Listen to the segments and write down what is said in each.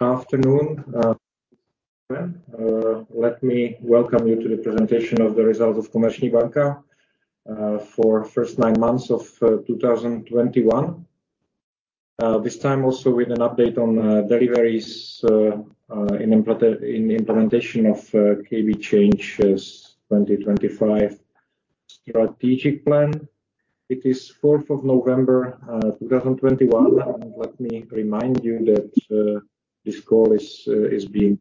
Afternoon, everyone. Let me welcome you to the presentation of the results of Komerční banka for first nine months of 2021. This time also with an update on deliveries in implementation of KB Change 2025 strategic plan. It is 4th of November 2021. Let me remind you that this call is being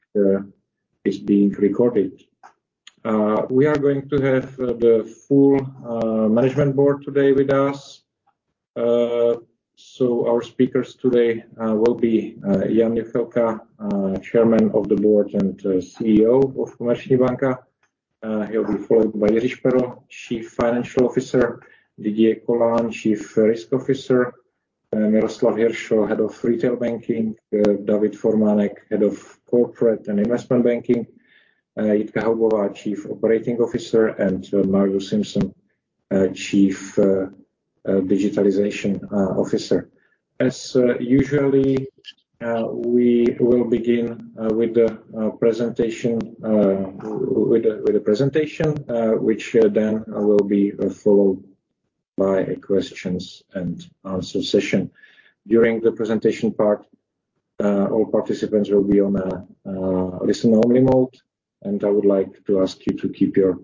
recorded. We are going to have the full management board today with us. Our speakers today will be Jan Juchelka, Chairman of the Board and CEO of Komerční banka. He'll be followed by Jiří Šperl, Chief Financial Officer. Didier Colin, Chief Risk Officer. Miroslav Hiršl, Head of Retail Banking. David Formánek, Head of Corporate and Investment Banking. Jitka Haubová, Chief Operating Officer, and Margus Simson, Chief Digital Officer. As usual, we will begin with the presentation, which then will be followed by a questions and answer session. During the presentation part, all participants will be on a listen-only mode, and I would like to ask you to keep your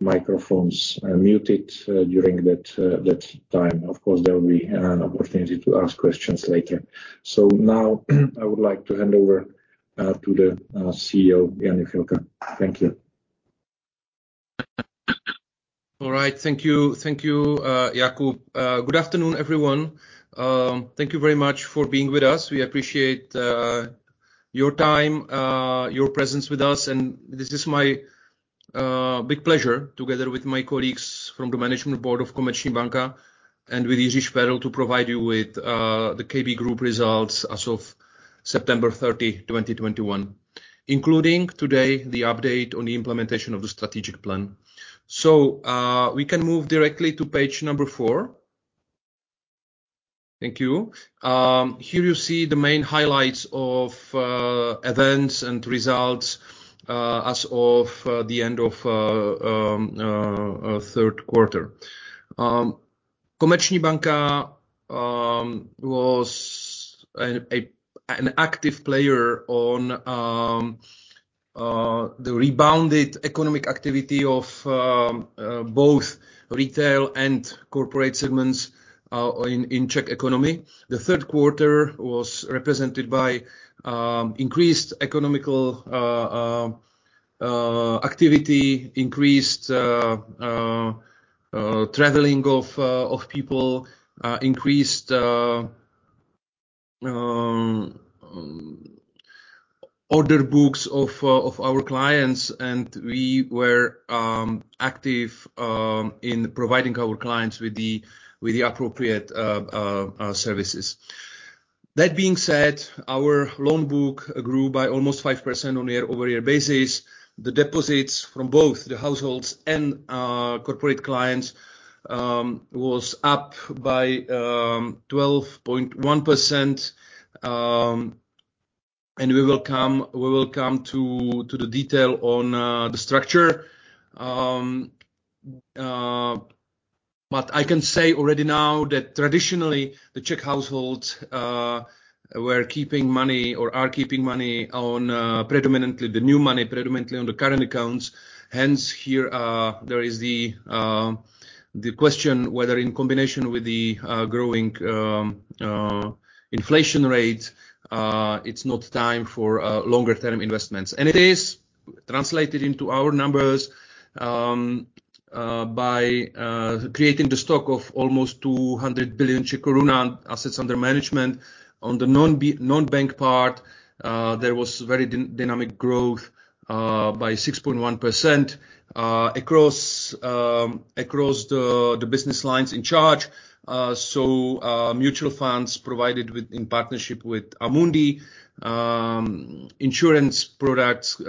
microphones muted during that time. Of course, there will be an opportunity to ask questions later. Now I would like to hand over to the CEO, Jan Juchelka. Thank you. All right. Thank you. Thank you, Jakub. Good afternoon, everyone. Thank you very much for being with us. We appreciate your time, your presence with us, and this is my big pleasure together with my colleagues from the management board of Komerční banka and with Jiří Šperl to provide you with the KB group results as of September 30, 2021, including today the update on the implementation of the strategic plan. We can move directly to page number four. Thank you. Here you see the main highlights of events and results as of the end of third quarter. Komerční banka was an active player on the rebounded economic activity of both retail and corporate segments in Czech economy. The third quarter was represented by increased economic activity, increased traveling of people, increased order books of our clients, and we were active in providing our clients with the appropriate services. That being said, our loan book grew by almost 5% on year-over-year basis. The deposits from both the households and corporate clients was up by 12.1%, and we will come to the detail on the structure. I can say already now that traditionally the Czech households were keeping money or are keeping money on predominantly the new money, predominantly on the current accounts. Hence here, there is the question whether in combination with the growing inflation rate, it's not time for longer term investments. It is translated into our numbers by creating the stock of almost CZK 200 billion assets under management. On the non-bank part, there was very dynamic growth by 6.1% across the business lines in charge. Mutual funds provided with, in partnership with Amundi, insurance products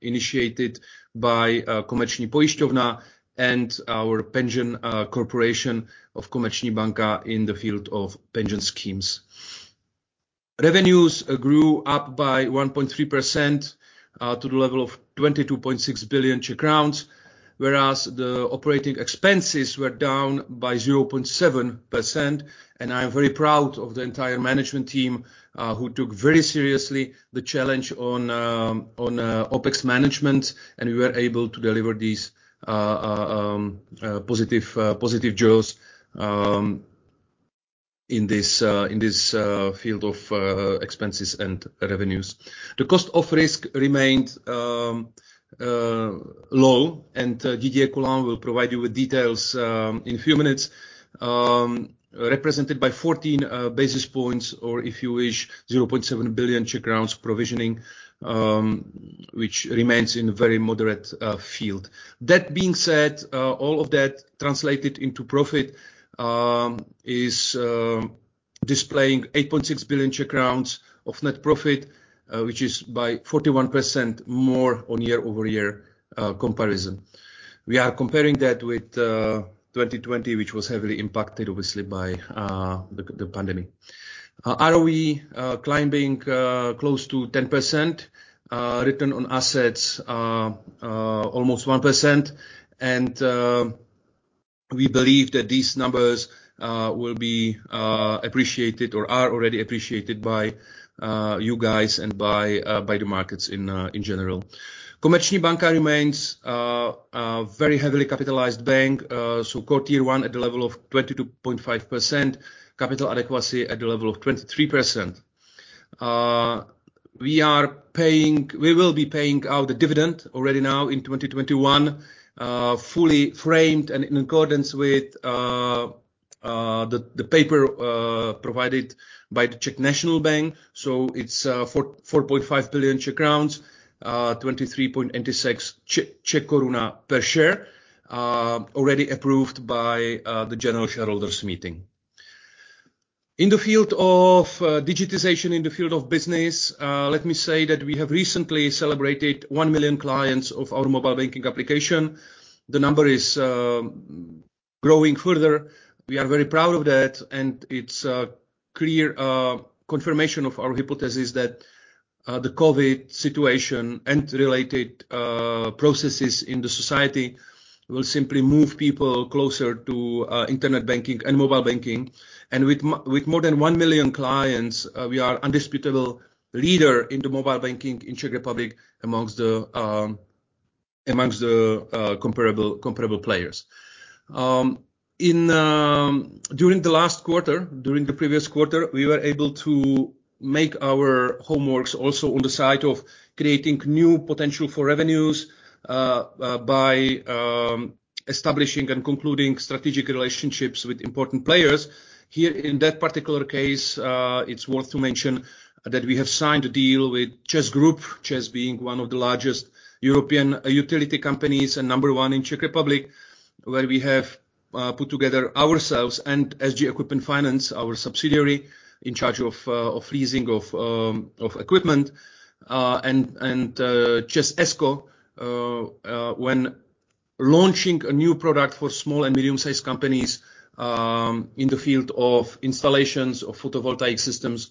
initiated by Komerční pojišťovna, and our pension corporation of Komerční banka in the field of pension schemes. Revenues grew up by 1.3% to the level of 22.6 billion Czech crowns, whereas the operating expenses were down by 0.7%. I am very proud of the entire management team who took very seriously the challenge on OpEx management, and we were able to deliver these positive results in this field of expenses and revenues. The cost of risk remained low, and Didier Colin will provide you with details in a few minutes, represented by 14 basis points, or if you wish, 0.7 billion provisioning, which remains in a very moderate field. That being said, all of that translated into profit is displaying 8.6 billion of net profit, which is by 41% more on year-over-year comparison. We are comparing that with 2020, which was heavily impacted obviously by the pandemic. ROE climbing close to 10%. Return on assets almost 1%. We believe that these numbers will be appreciated or are already appreciated by you guys and by the markets in general. Komerční banka remains a very heavily capitalized bank, so core Tier 1 at the level of 22.5%, capital adequacy at the level of 23%. We will be paying out the dividend already now in 2021, fully framed and in accordance with the paper provided by the Czech National Bank. It's 4.5 billion Czech crowns, 23.86 Czech koruna per share, already approved by the general shareholders meeting. In the field of digitization, in the field of business, let me say that we have recently celebrated 1 million clients of our mobile banking application. The number is growing further. We are very proud of that, and it's a clear confirmation of our hypothesis that the COVID situation and related processes in the society will simply move people closer to internet banking and mobile banking. With more than 1 million clients, we are indisputable leader in the mobile banking in Czech Republic amongst the comparable players. During the previous quarter, we were able to make our homework also on the side of creating new potential for revenues by establishing and concluding strategic relationships with important players. Here in that particular case, it's worth to mention that we have signed a deal with ČEZ Group, ČEZ being one of the largest European utility companies and number one in Czech Republic, where we have put together ourselves and SG Equipment Finance, our subsidiary in charge of leasing of equipment, and ČEZ ESCO, when launching a new product for small and medium-sized companies in the field of installations of photovoltaic systems,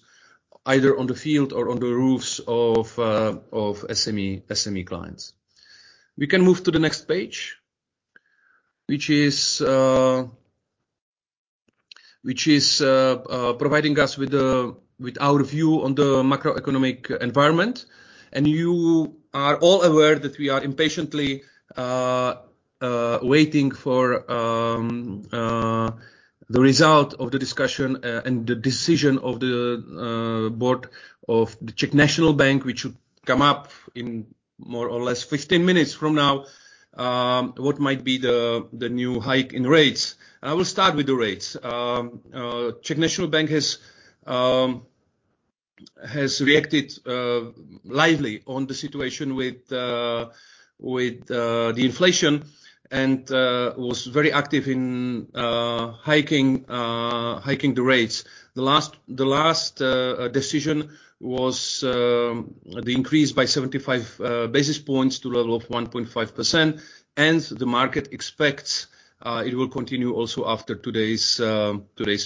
either on the field or on the roofs of SME clients. We can move to the next page, which is providing us with our view on the macroeconomic environment, and you are all aware that we are impatiently waiting for the result of the discussion and the decision of The Board of the Czech National Bank, which should come up in more or less 15 minutes from now, what might be the new hike in rates. I will start with the rates. Czech National Bank has reacted lively on the situation with the inflation and was very active in hiking the rates. The last decision was the increase by 75 basis points to level of 1.5%, and the market expects it will continue also after today's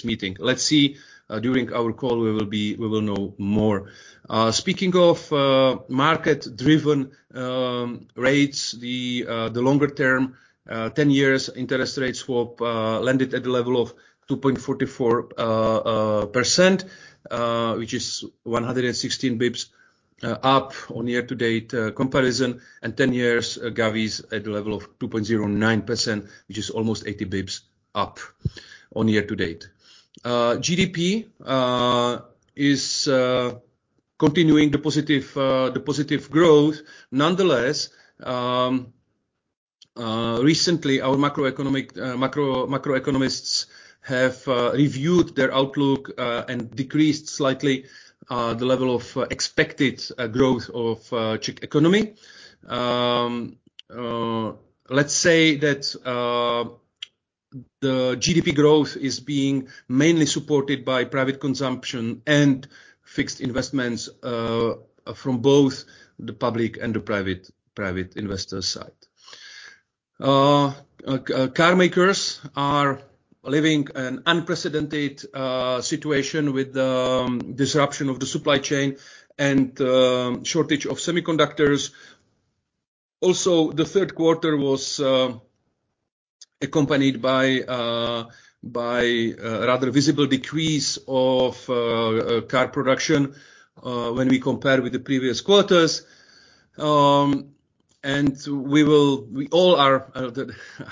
meeting. Let's see. During our call, we will know more. Speaking of market-driven rates, the longer term 10-year interest rate swap landed at the level of 2.44%, which is 116 basis points up on year-to-date comparison, and 10-year govies at the level of 2.09%, which is almost 80 basis points up on year-to-date. GDP is continuing the positive growth. Nonetheless, recently our macroeconomists have reviewed their outlook and decreased slightly the level of expected growth of Czech economy. Let's say that the GDP growth is being mainly supported by private consumption and fixed investments from both the public and the private investor side. Car makers are living an unprecedented situation with the disruption of the supply chain and shortage of semiconductors. Also, the third quarter was accompanied by a rather visible decrease of car production when we compare with the previous quarters. We all are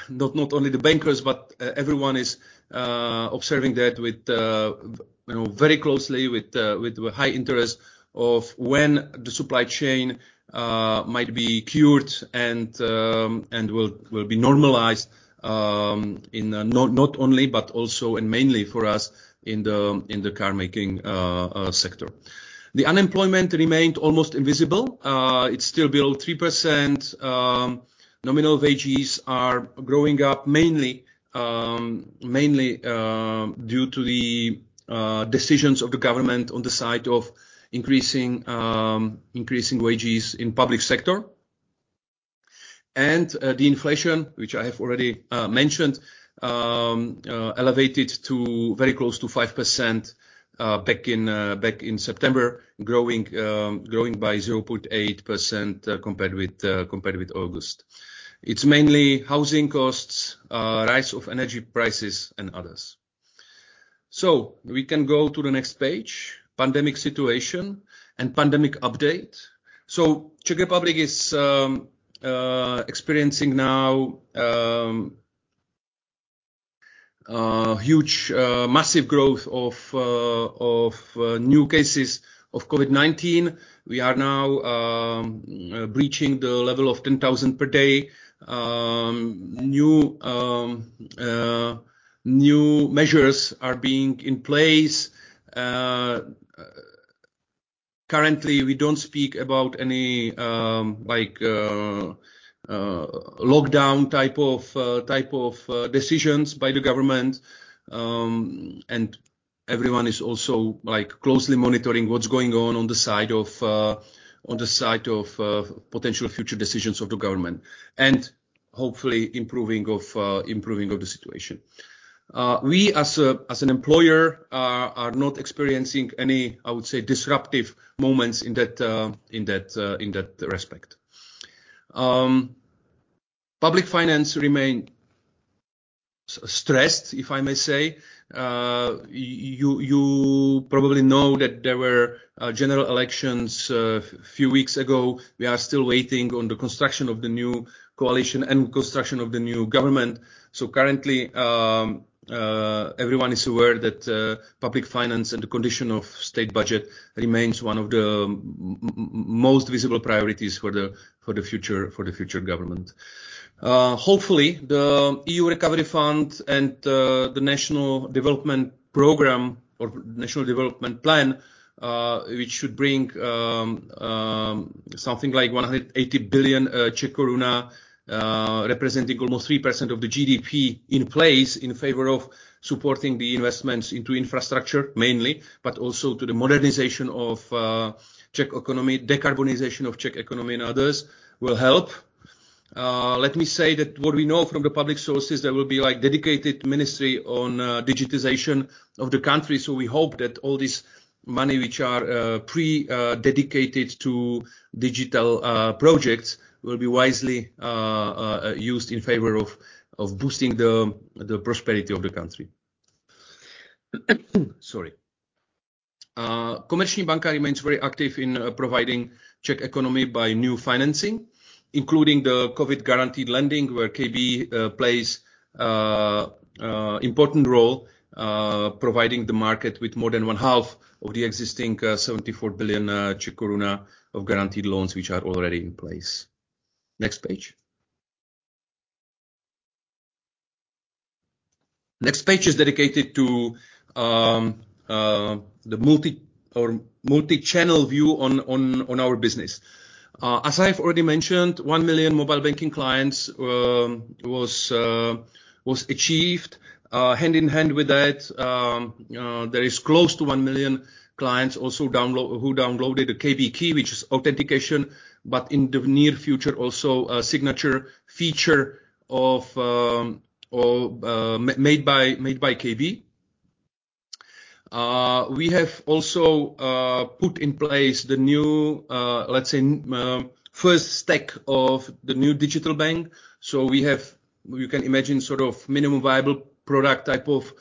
not only the bankers, but everyone is observing that very closely, you know, with high interest of when the supply chain might be cured and will be normalized in not only, but also and mainly for us in the car making sector. The unemployment remained almost invisible. It is still below 3%. Nominal wages are growing up mainly due to the decisions of the government on the side of increasing wages in public sector. The inflation, which I have already mentioned, elevated to very close to 5% back in September, growing by 0.8% compared with August. It's mainly housing costs, rise of energy prices, and others. We can go to the next page, pandemic situation and pandemic update. Czech Republic is experiencing now huge massive growth of of new cases of COVID-19. We are now breaching the level of 10,000 per day. New measures are being in place. Currently, we don't speak about any, like, lockdown type of decisions by the government. Everyone is also, like, closely monitoring what's going on on the side of potential future decisions of the government. Hopefully improving of the situation. We as a, as an employer are not experiencing any, I would say, disruptive moments in that respect. Public finances remain stressed, if I may say. You probably know that there were general elections a few weeks ago. We are still waiting on the construction of the new coalition and construction of the new government. Currently, everyone is aware that public finances and the condition of state budget remain one of the most visible priorities for the future government. Hopefully, the EU Recovery Fund and the National Development Program or National Development Plan, which should bring something like 180 billion Czech koruna, representing almost 3% of the GDP in place in favor of supporting the investments into infrastructure mainly, but also to the modernization of Czech economy, decarbonization of Czech economy and others will help. Let me say that what we know from the public sources, there will be like dedicated ministry on digitization of the country. We hope that all this money which are pre dedicated to digital projects will be wisely used in favor of boosting the prosperity of the country. Sorry. Komerční banka remains very active in providing the Czech economy with new financing, including the COVID-19 guaranteed lending, where KB plays an important role providing the market with more than one half of the existing 74 billion of guaranteed loans which are already in place. Next page. The next page is dedicated to the multi-channel view on our business. As I've already mentioned, 1 million mobile banking clients was achieved. Hand in hand with that, there is close to 1 million clients who downloaded the KB Key, which is authentication, but in the near future also a signature feature made by KB. We have also put in place the new, let's say, first stack of the new digital bank. We have, you can imagine sort of minimum viable product type of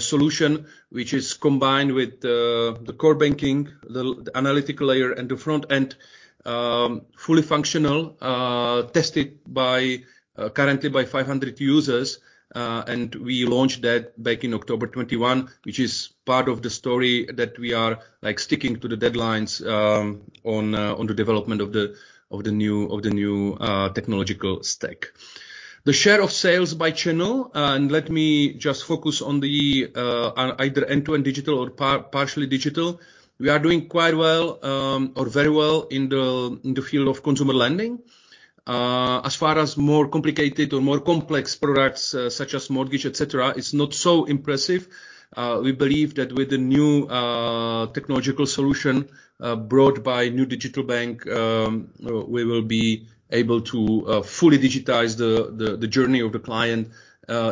solution, which is combined with the core banking, the analytic layer and the front end, fully functional, currently tested by 500 users. We launched that back in October 2021, which is part of the story that we are, like, sticking to the deadlines on the development of the new technological stack. The share of sales by channel, and let me just focus on either end-to-end digital or partially digital. We are doing quite well, or very well in the field of consumer lending. As far as more complicated or more complex products such as mortgage, etc., it's not so impressive. We believe that with the new technological solution brought by new digital bank, we will be able to fully digitize the journey of the client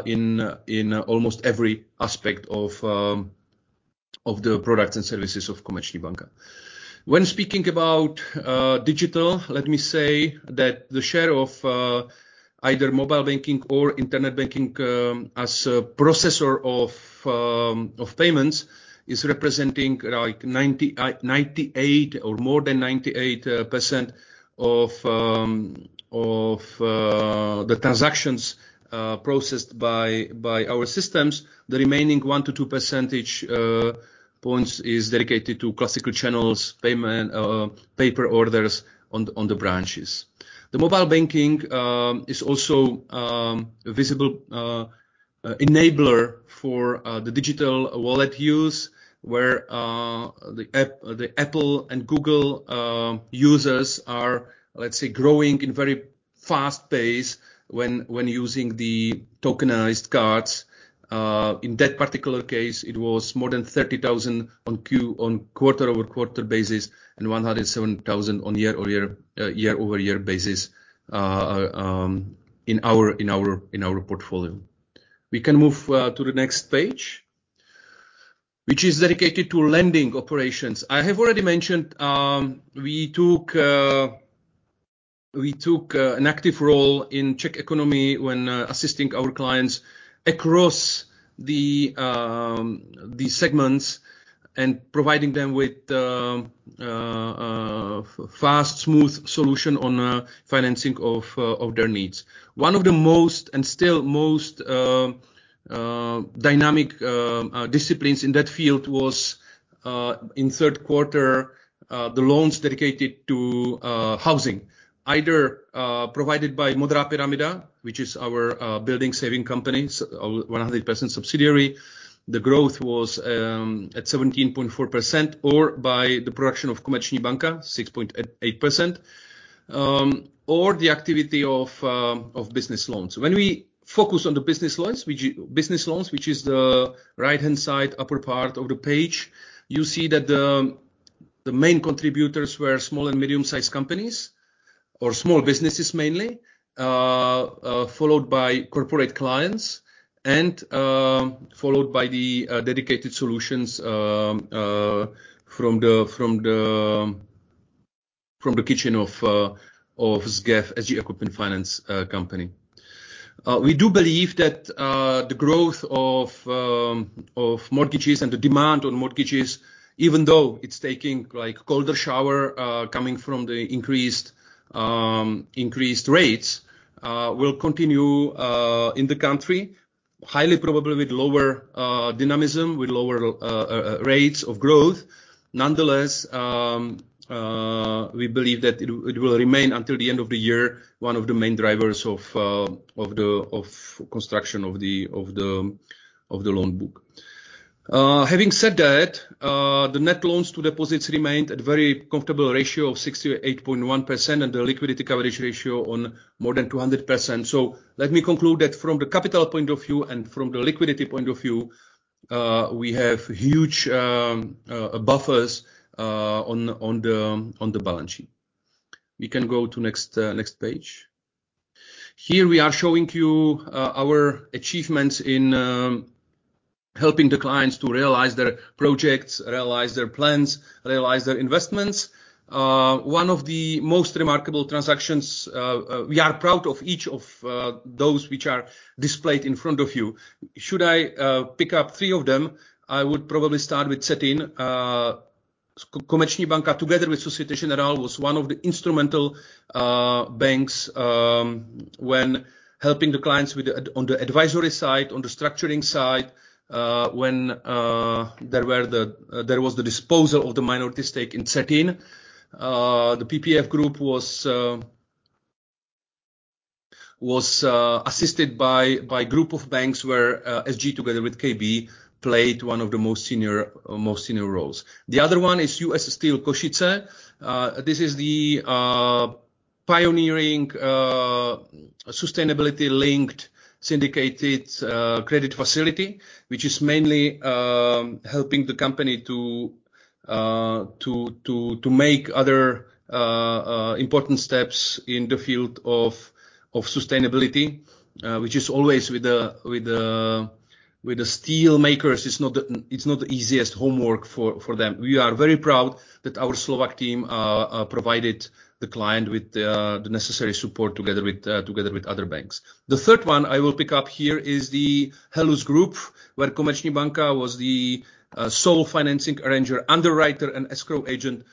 in almost every aspect of the products and services of Komerční banka. When speaking about digital, let me say that the share of either mobile banking or internet banking as a processor of payments is representing like 98% or more than 98% of the transactions processed by our systems. The remaining 1-2 percentage points is dedicated to classical channels, payment paper orders on the branches. The mobile banking is also a visible enabler for the digital wallet use, where the Apple and Google users are, let's say, growing in very fast pace when using the tokenized cards. In that particular case, it was more than 30,000 on quarter-over-quarter basis and 107,000 on year-over-year basis in our portfolio. We can move to the next page, which is dedicated to lending operations. I have already mentioned, we took an active role in Czech economy when assisting our clients across the segments and providing them with fast, smooth solution on financing of their needs. One of the most dynamic disciplines in that field was in third quarter the loans dedicated to housing, either provided by Modrá pyramida, which is our building savings company, our 100% subsidiary. The growth was at 17.4% or by the production of Komerční banka, 6.8%, or the activity of business loans. When we focus on the business loans, which is the right-hand side upper part of the page, you see that the main contributors were small and medium-sized companies or small businesses mainly, followed by corporate clients and followed by the dedicated solutions from the kitchen of SGEF, SG Equipment Finance, company. We do believe that the growth of mortgages and the demand on mortgages, even though it's taking a colder shower coming from the increased rates, will continue in the country highly probably with lower dynamism, with lower rates of growth. Nonetheless, we believe that it will remain until the end of the year one of the main drivers of the loan book. Having said that, the net loans to deposits remained at very comfortable ratio of 68.1% and the liquidity coverage ratio of more than 200%. Let me conclude that from the capital point of view and from the liquidity point of view, we have huge buffers on the balance sheet. We can go to next page. Here, we are showing you our achievements in helping the clients to realize their projects, realize their plans, realize their investments. One of the most remarkable transactions. We are proud of each of those which are displayed in front of you. Should I pick up three of them, I would probably start with CETIN. Komerční banka, together with Société Générale, was one of the instrumental banks when helping the clients on the advisory side, on the structuring side, when there was the disposal of the minority stake in CETIN. The PPF Group was assisted by group of banks, where SG together with KB played one of the most senior roles. The other one is U.S. Steel Košice. This is the pioneering sustainability-linked syndicated credit facility, which is mainly helping the company to make other important steps in the field of sustainability, which is always with the steel makers. It's not the easiest homework for them. We are very proud that our Slovak team provided the client with the necessary support together with other banks. The third one I will pick up here is the HELUZ Group, where Komerční banka was the sole financing arranger, underwriter, and escrow agent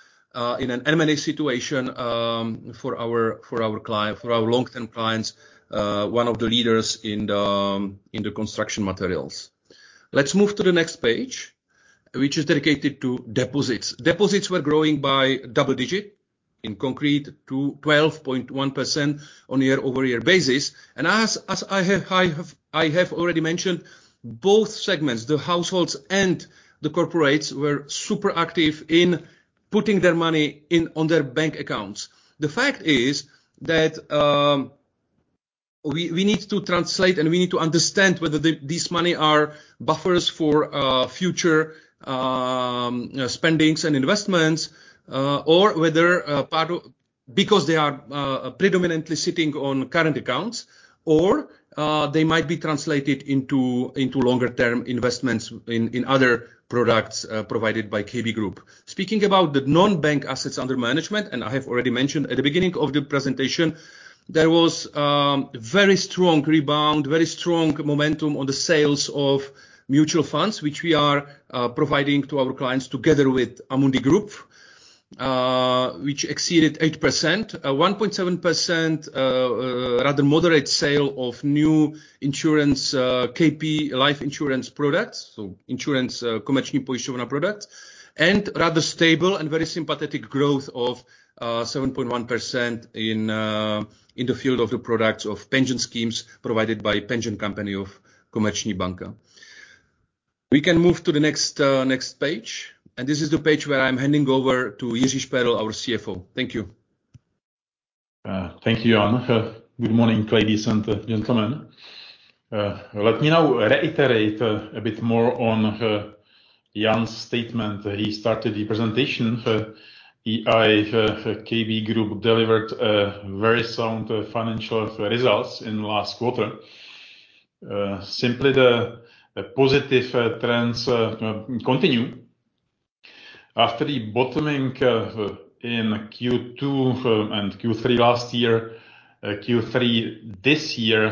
in an M&A situation for our long-term clients, one of the leaders in the construction materials. Let's move to the next page, which is dedicated to deposits. Deposits were growing by double-digit concretely to 12.1% on a year-over-year basis. As I have already mentioned, both segments, the households and the corporates, were super active in putting their money into their bank accounts. The fact is that we need to translate and we need to understand whether these money are buffers for future spendings and investments or whether a part because they are predominantly sitting on current accounts or they might be translated into longer term investments in other products provided by KB Group. Speaking about the non-bank assets under management, I have already mentioned at the beginning of the presentation, there was very strong rebound, very strong momentum on the sales of mutual funds, which we are providing to our clients together with Amundi Group, which exceeded 8%. 1.7%, rather moderate sale of new insurance, KP life insurance products, so insurance, Komerční pojišťovna product, and rather stable and very sympathetic growth of 7.1% in the field of the products of pension schemes provided by pension company of Komerční banka. We can move to the next page, and this is the page where I'm handing over to Jiří Šperl, our CFO. Thank you. Thank you, Jan. Good morning, ladies and gentlemen. Let me now reiterate a bit more on Jan's statement. He started the presentation. KB Group delivered very sound financial results in last quarter. Simply the positive trends continue after the bottoming in Q2 and Q3 last year. Q3 this year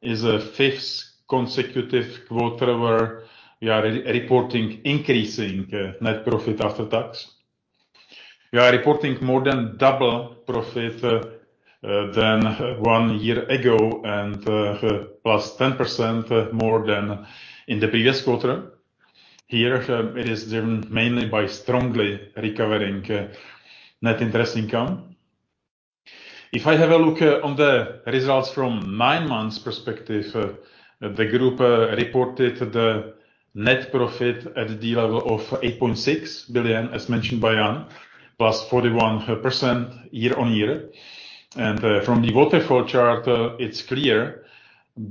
is the fifth consecutive quarter where we are re-reporting increasing net profit after tax. We are reporting more than double profit than one year ago and +10% more than in the previous quarter. Here, it is driven mainly by strongly recovering net interest income. If I have a look on the results from nine months perspective, the group reported the net profit at the level of 8.6 billion, as mentioned by Jan, plus 41% year-on-year. From the waterfall chart, it's clear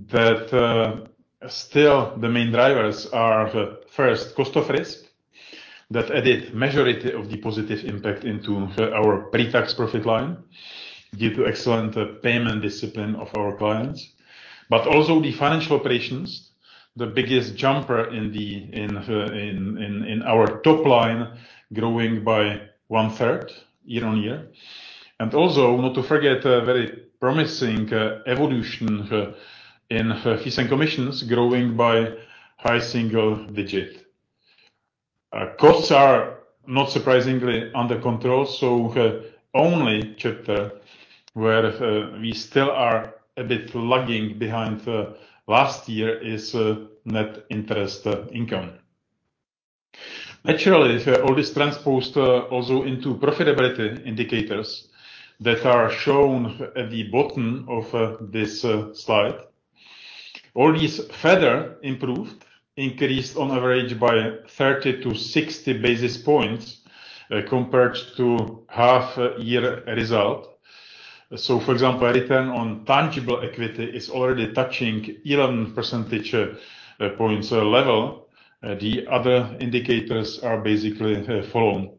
that still the main drivers are the lower cost of risk. That added the majority of the positive impact into our pre-tax profit line due to excellent payment discipline of our clients, but also the financial operations, the biggest jumper in our top line growing by 1/3 year-on-year. Also not to forget a very promising evolution in fees and commissions growing by high single-digit. Costs are not surprisingly under control. The only chapter where we still are a bit lagging behind last year is net interest income. Naturally, all these trends also flow into profitability indicators that are shown at the bottom of this slide. All these further improved, increased on average by 30 basis points-60 basis points, compared to half-year result. For example, a return on tangible equity is already touching 11 percentage points level. The other indicators are basically following.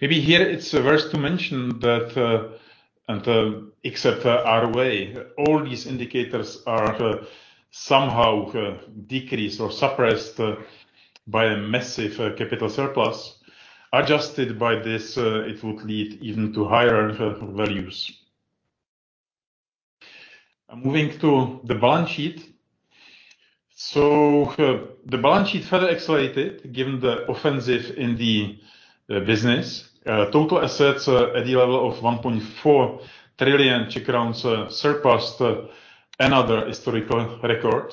Maybe here it's worth to mention that, and except our ROE, all these indicators are somehow decreased or suppressed by a massive capital surplus. Adjusted by this, it would lead even to higher values. Moving to the balance sheet. The balance sheet further accelerated given the offensive in the business. Total assets at the level of 1.4 trillion surpassed another historical record.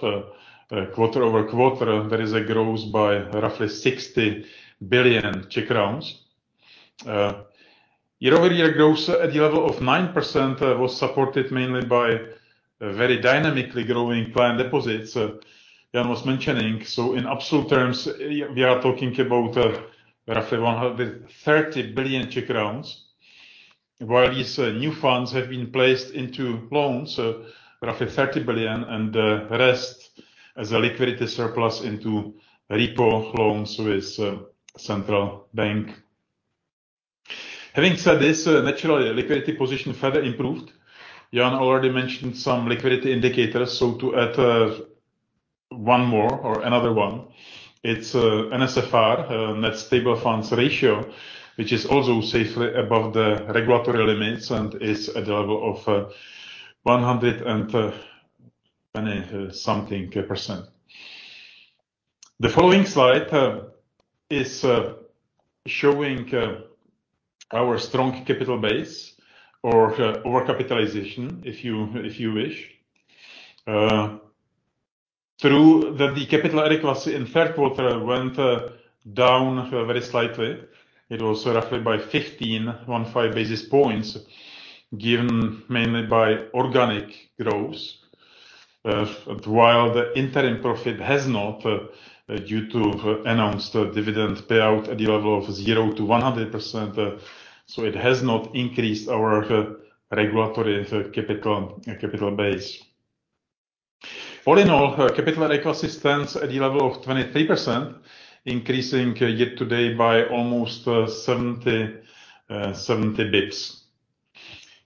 Quarter-over-quarter, there is a growth by roughly 60 billion Czech crowns. Year-over-year growth at the level of 9% was supported mainly by very dynamically growing client deposits Jan was mentioning. In absolute terms, we are talking about roughly 130 billion Czech crowns, while these new funds have been placed into loans roughly 30 billion and the rest as a liquidity surplus into repo loans with central bank. Having said this, naturally liquidity position further improved. Jan already mentioned some liquidity indicators. To add one more or another one, it's NSFR, Net Stable Funding Ratio, which is also safely above the regulatory limits and is at the level of 120-something percent. The following slide is showing our strong capital base or overcapitalization, if you wish. The capital adequacy in third quarter went down very slightly. It was roughly by 15 basis points, given mainly by organic growth. While the interim profit has not, due to announced dividend payout at the level of 0%-100%, so it has not increased our regulatory capital base. All in all, capital adequacy stands at the level of 23%, increasing year-to-date by almost 70 basis points.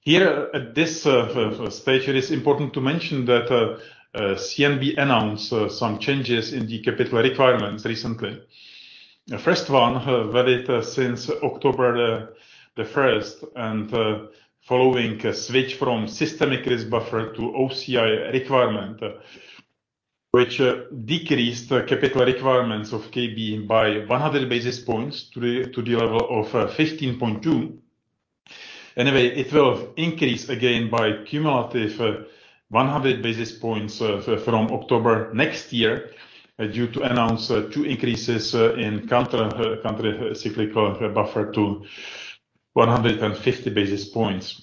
Here at this stage, it is important to mention that, CNB announced some changes in the capital requirements recently. The first one valid since October 1 and following switch from systemic risk buffer to O-SII requirement, which decreased capital requirements of KB by 100 basis points to the level of 15.2. Anyway, it will increase again by cumulative 100 basis points from October next year due to announce two increases in counter-cyclical buffer to 150 basis points.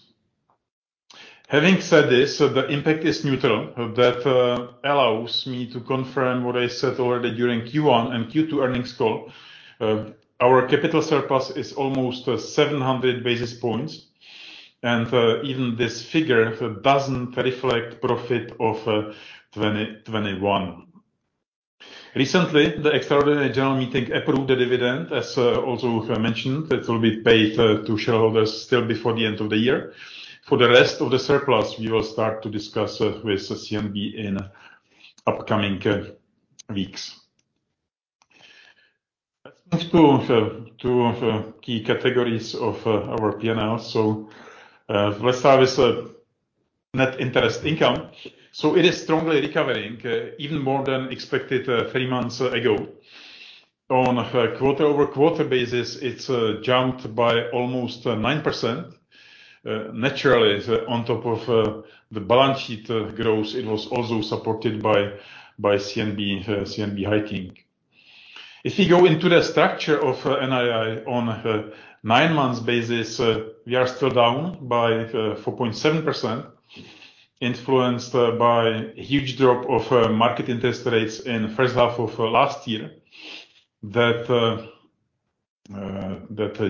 Having said this, the impact is neutral. That allows me to confirm what I said already during Q1 and Q2 earnings call. Our capital surplus is almost 700 basis points, and even this figure doesn't reflect profit of 2021. Recently, the extraordinary general meeting approved the dividend, as also mentioned. It will be paid to shareholders still before the end of the year. For the rest of the surplus, we will start to discuss with CNB in upcoming weeks. Let's move to key categories of our P&L. Let's start with net interest income. It is strongly recovering even more than expected three months ago. On a quarter-over-quarter basis, it's jumped by almost 9%. Naturally, on top of the balance sheet growth, it was also supported by CNB hiking. If you go into the structure of NII on a nine-month basis, we are still down by 4.7%, influenced by huge drop of market interest rates in the first half of last year that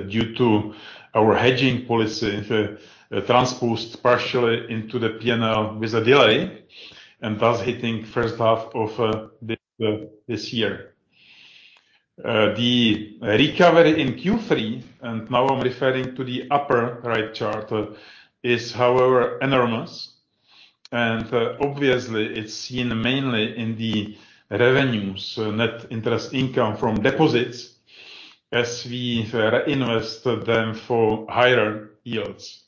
due to our hedging policy transposed partially into the P&L with a delay, and thus hitting first half of this year. The recovery in Q3, and now I'm referring to the upper right chart, is however enormous, and obviously, it's seen mainly in the revenues, net interest income from deposits as we reinvest them for higher yields.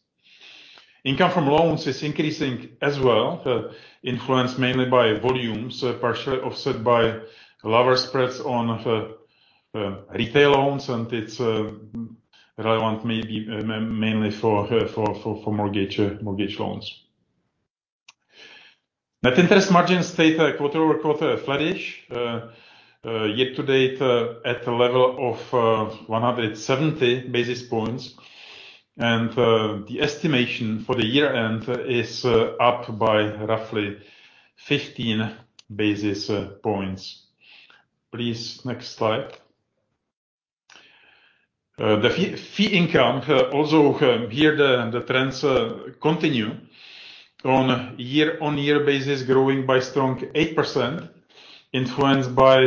Income from loans is increasing as well, influenced mainly by volumes, partially offset by lower spreads on retail loans, and it's relevant maybe mainly for mortgage loans. Net interest margin stayed quarter-over-quarter flattish, year to date, at a level of 170 basis points, and the estimation for the year end is up by roughly 15 basis points. Please next slide. The fee income also here the trends continue on year-on-year basis growing by strong 8%, influenced by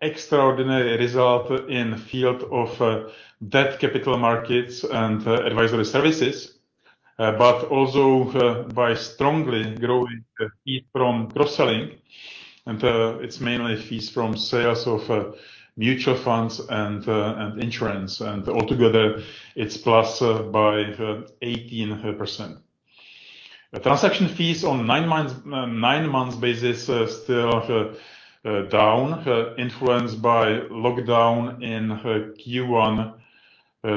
extraordinary result in field of debt capital markets and advisory services, but also by strongly growing fee from cross-selling, and it's mainly fees from sales of mutual funds and insurance. Altogether, it's plus by 18%. The transaction fees on nine-month basis still down, influenced by lockdown in Q1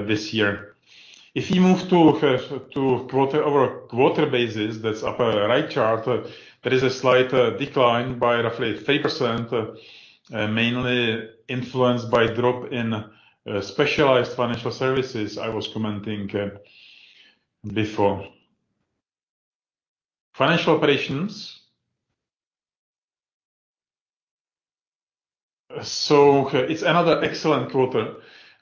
this year. If you move to quarter-over-quarter basis, that's upper right chart, there is a slight decline by roughly 3%, mainly influenced by drop in specialized financial services I was commenting before. Financial operations. It's another excellent quarter,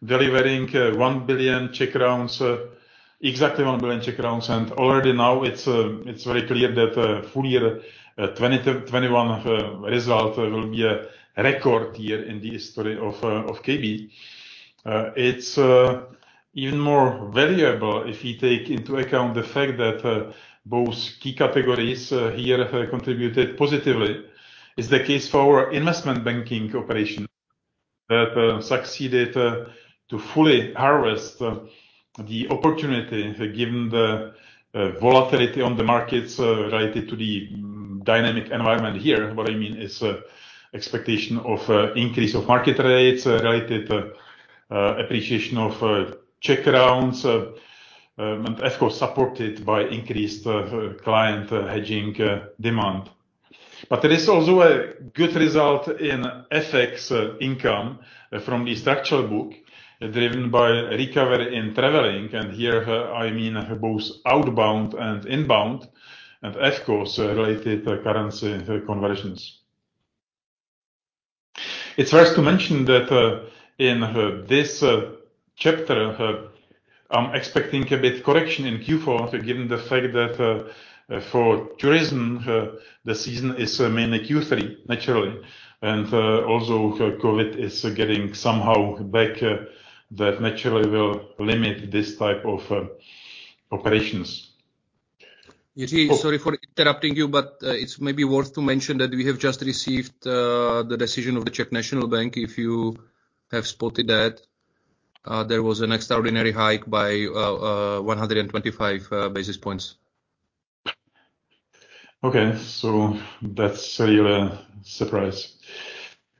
delivering 1 billion, exactly 1 billion, and already now it's very clear that full year 2021 result will be a record year in the history of KB. It's even more valuable if you take into account the fact that both key categories here contributed positively. It's the case for our investment banking operation that succeeded to fully harvest the opportunity given the volatility on the markets related to the dynamic environment here. What I mean is, expectation of increase of market rates related appreciation of Czech crowns, of course, supported by increased client hedging demand. There is also a good result in FX income from the structural book driven by recovery in traveling, and here I mean both outbound and inbound, and of course related currency conversions. It's worth to mention that in this chapter, I'm expecting a bit correction in Q4 given the fact that for tourism, the season is mainly Q3 naturally, and also COVID-19 is getting somehow back, that naturally will limit this type of operations. Jiří, sorry for interrupting you, but it's maybe worth to mention that we have just received the decision of the Czech National Bank. If you have spotted that, there was an extraordinary hike by 125 basis points. That's really a surprise.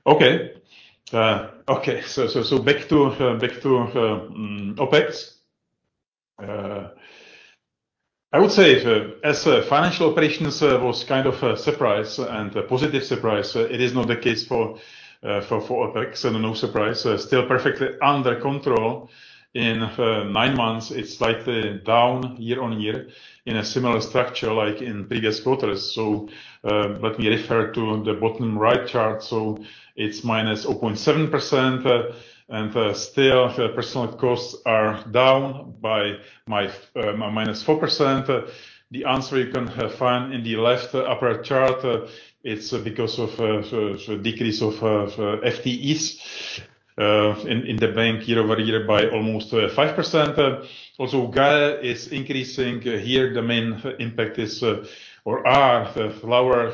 Back to OpEx. I would say as financial operations was kind of a surprise and a positive surprise, it is not the case for OpEx and no surprise. Still perfectly under control. In nine months, it's slightly down year-over-year in a similar structure like in previous quarters. Let me refer to the bottom right chart. It's -0.7%, and still personnel costs are down by -4%. The answer you can find in the left upper chart, it's because of decrease of FTEs in the bank year-over-year by almost 5%. Also G&A is increasing. Here the main impact is or are lower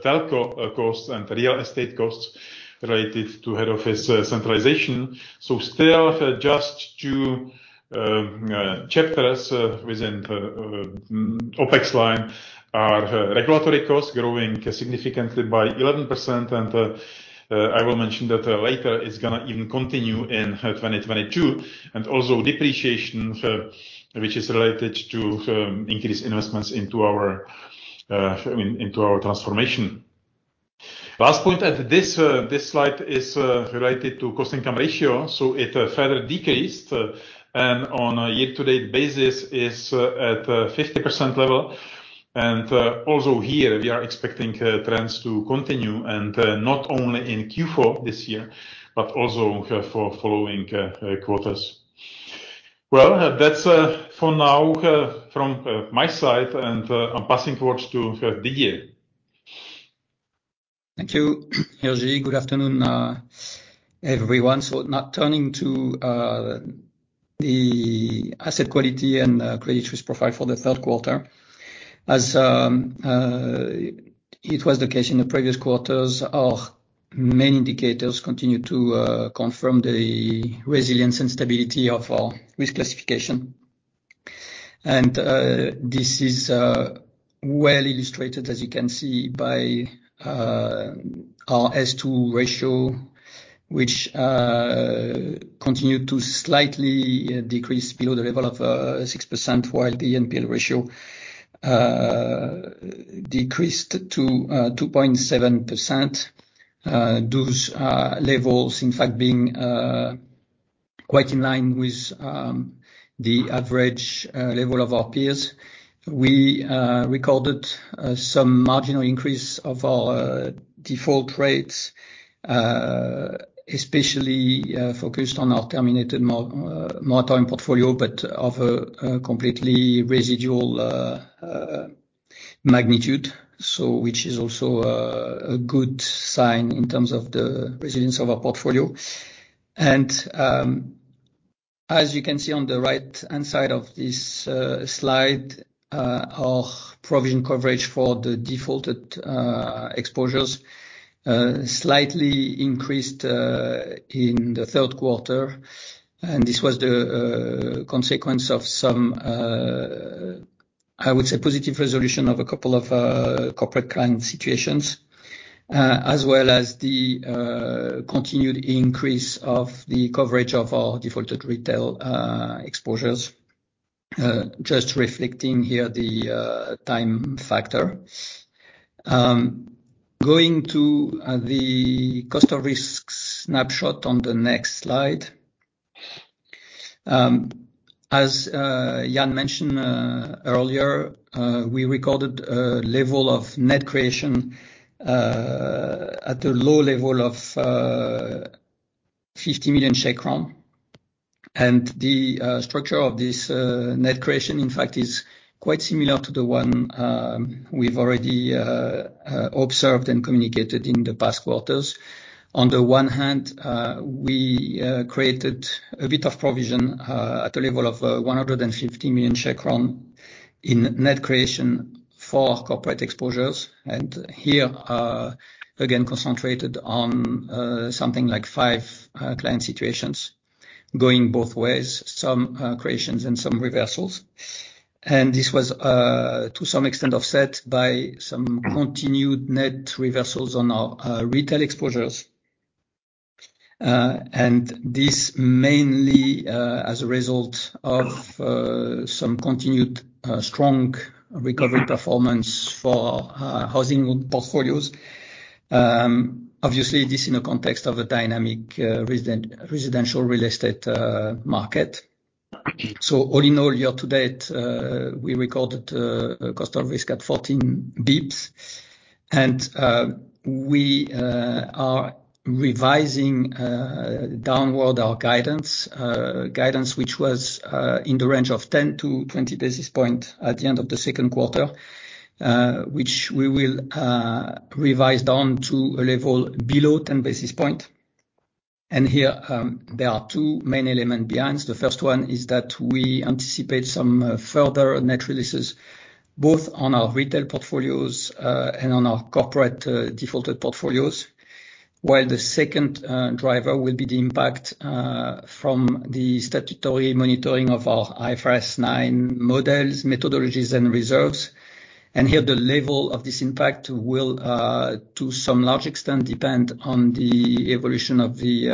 telco costs and real estate costs related to head office centralization. Still just two chapters within the OpEx line are regulatory costs growing significantly by 11%. I will mention that later; it's going to even continue in 2022. Also depreciation, which is related to increased investments into our transformation. Last point at this slide is related to cost-to-income ratio. It further decreased and on a year-to-date basis is at 50% level. Also here we are expecting trends to continue and not only in Q4 this year, but also for following quarters. Well, that's for now from my side, and I'm passing thoughts to Didier. Thank you, Jiří. Good afternoon, everyone. Now turning to the asset quality and credit risk profile for the third quarter. As it was the case in the previous quarters, our main indicators continue to confirm the resilience and stability of our risk classification. This is well illustrated, as you can see, by our S2 ratio, which continued to slightly decrease below the level of 6%, while the NPL ratio decreased to 2.7%. Those levels, in fact, being quite in line with the average level of our peers. We recorded some marginal increase of our default rates, especially focused on our terminated mortgage portfolio, but of a completely residual magnitude. Which is also a good sign in terms of the resilience of our portfolio. As you can see on the right-hand side of this slide, our provision coverage for the defaulted exposures slightly increased in the third quarter. This was the consequence of some, I would say, positive resolution of a couple of corporate client situations, as well as the continued increase of the coverage of our defaulted retail exposures. Just reflecting here the time factor. Going to the cost of risk snapshot on the next slide. As Jan mentioned earlier, we recorded a level of net creation at a low level of 50 million crown. The structure of this net creation, in fact, is quite similar to the one we've already observed and communicated in the past quarters. On the one hand, we created a bit of provision at a level of 150 million in net creation for corporate exposures. Here, again, concentrated on something like five client situations going both ways, some creations and some reversals. This was, to some extent, offset by some continued net reversals on our retail exposures. This mainly, as a result of, some continued strong recovery performance for our housing portfolios. Obviously this in a context of a dynamic residential real estate market. All in all, year to date, we recorded a cost of risk at 14 basis points. We are revising downward our guidance. Guidance which was in the range of 10 basis points-20 basis points at the end of the second quarter, which we will revise down to a level below 10 basis points. Here, there are two main elements behind. The first one is that we anticipate some further net releases, both on our retail portfolios and on our corporate defaulted portfolios. While the second driver will be the impact from the statutory monitoring of our IFRS 9 models, methodologies and reserves. Here the level of this impact will to some large extent depend on the evolution of the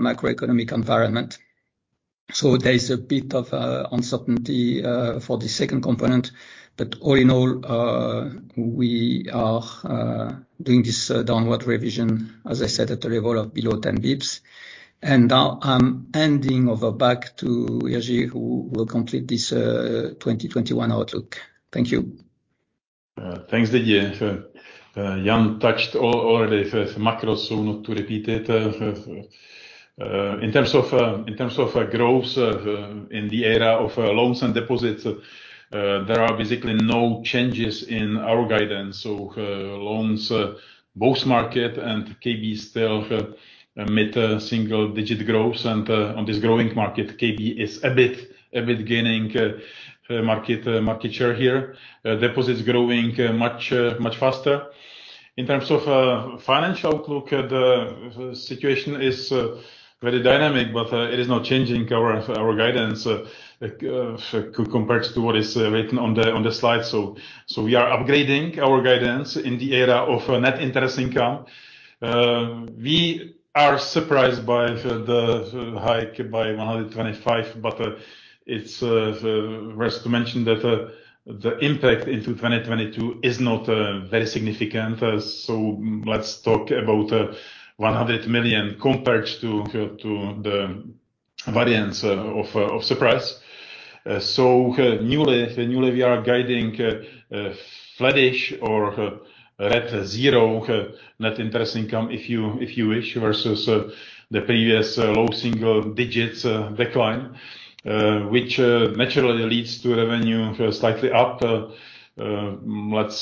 macroeconomic environment. There is a bit of uncertainty for the second component. All in all, we are doing this downward revision, as I said, at the level of below 10 basis points. Now I'm handing over back to Jiří who will complete this 2021 outlook. Thank you. Thanks, Didier. Jan touched already on macro, so not to repeat it. In terms of growth in the area of loans and deposits, there are basically no changes in our guidance. Loans, both market and KB, still mid-single digit growth. On this growing market, KB is a bit gaining market share here. Deposits growing much faster. In terms of financial outlook, the situation is very dynamic, but it is not changing our guidance compared to what is written on the slide. We are upgrading our guidance in the area of net interest income. We are surprised by the hike by 125, but it's worth mentioning that the impact into 2022 is not very significant. Let's talk about 100 million compared to the variance of surprise. Newly we are guiding flat-ish or rate zero net interest income, if you wish, versus the previous low single digits decline, which naturally leads to revenue slightly up, let's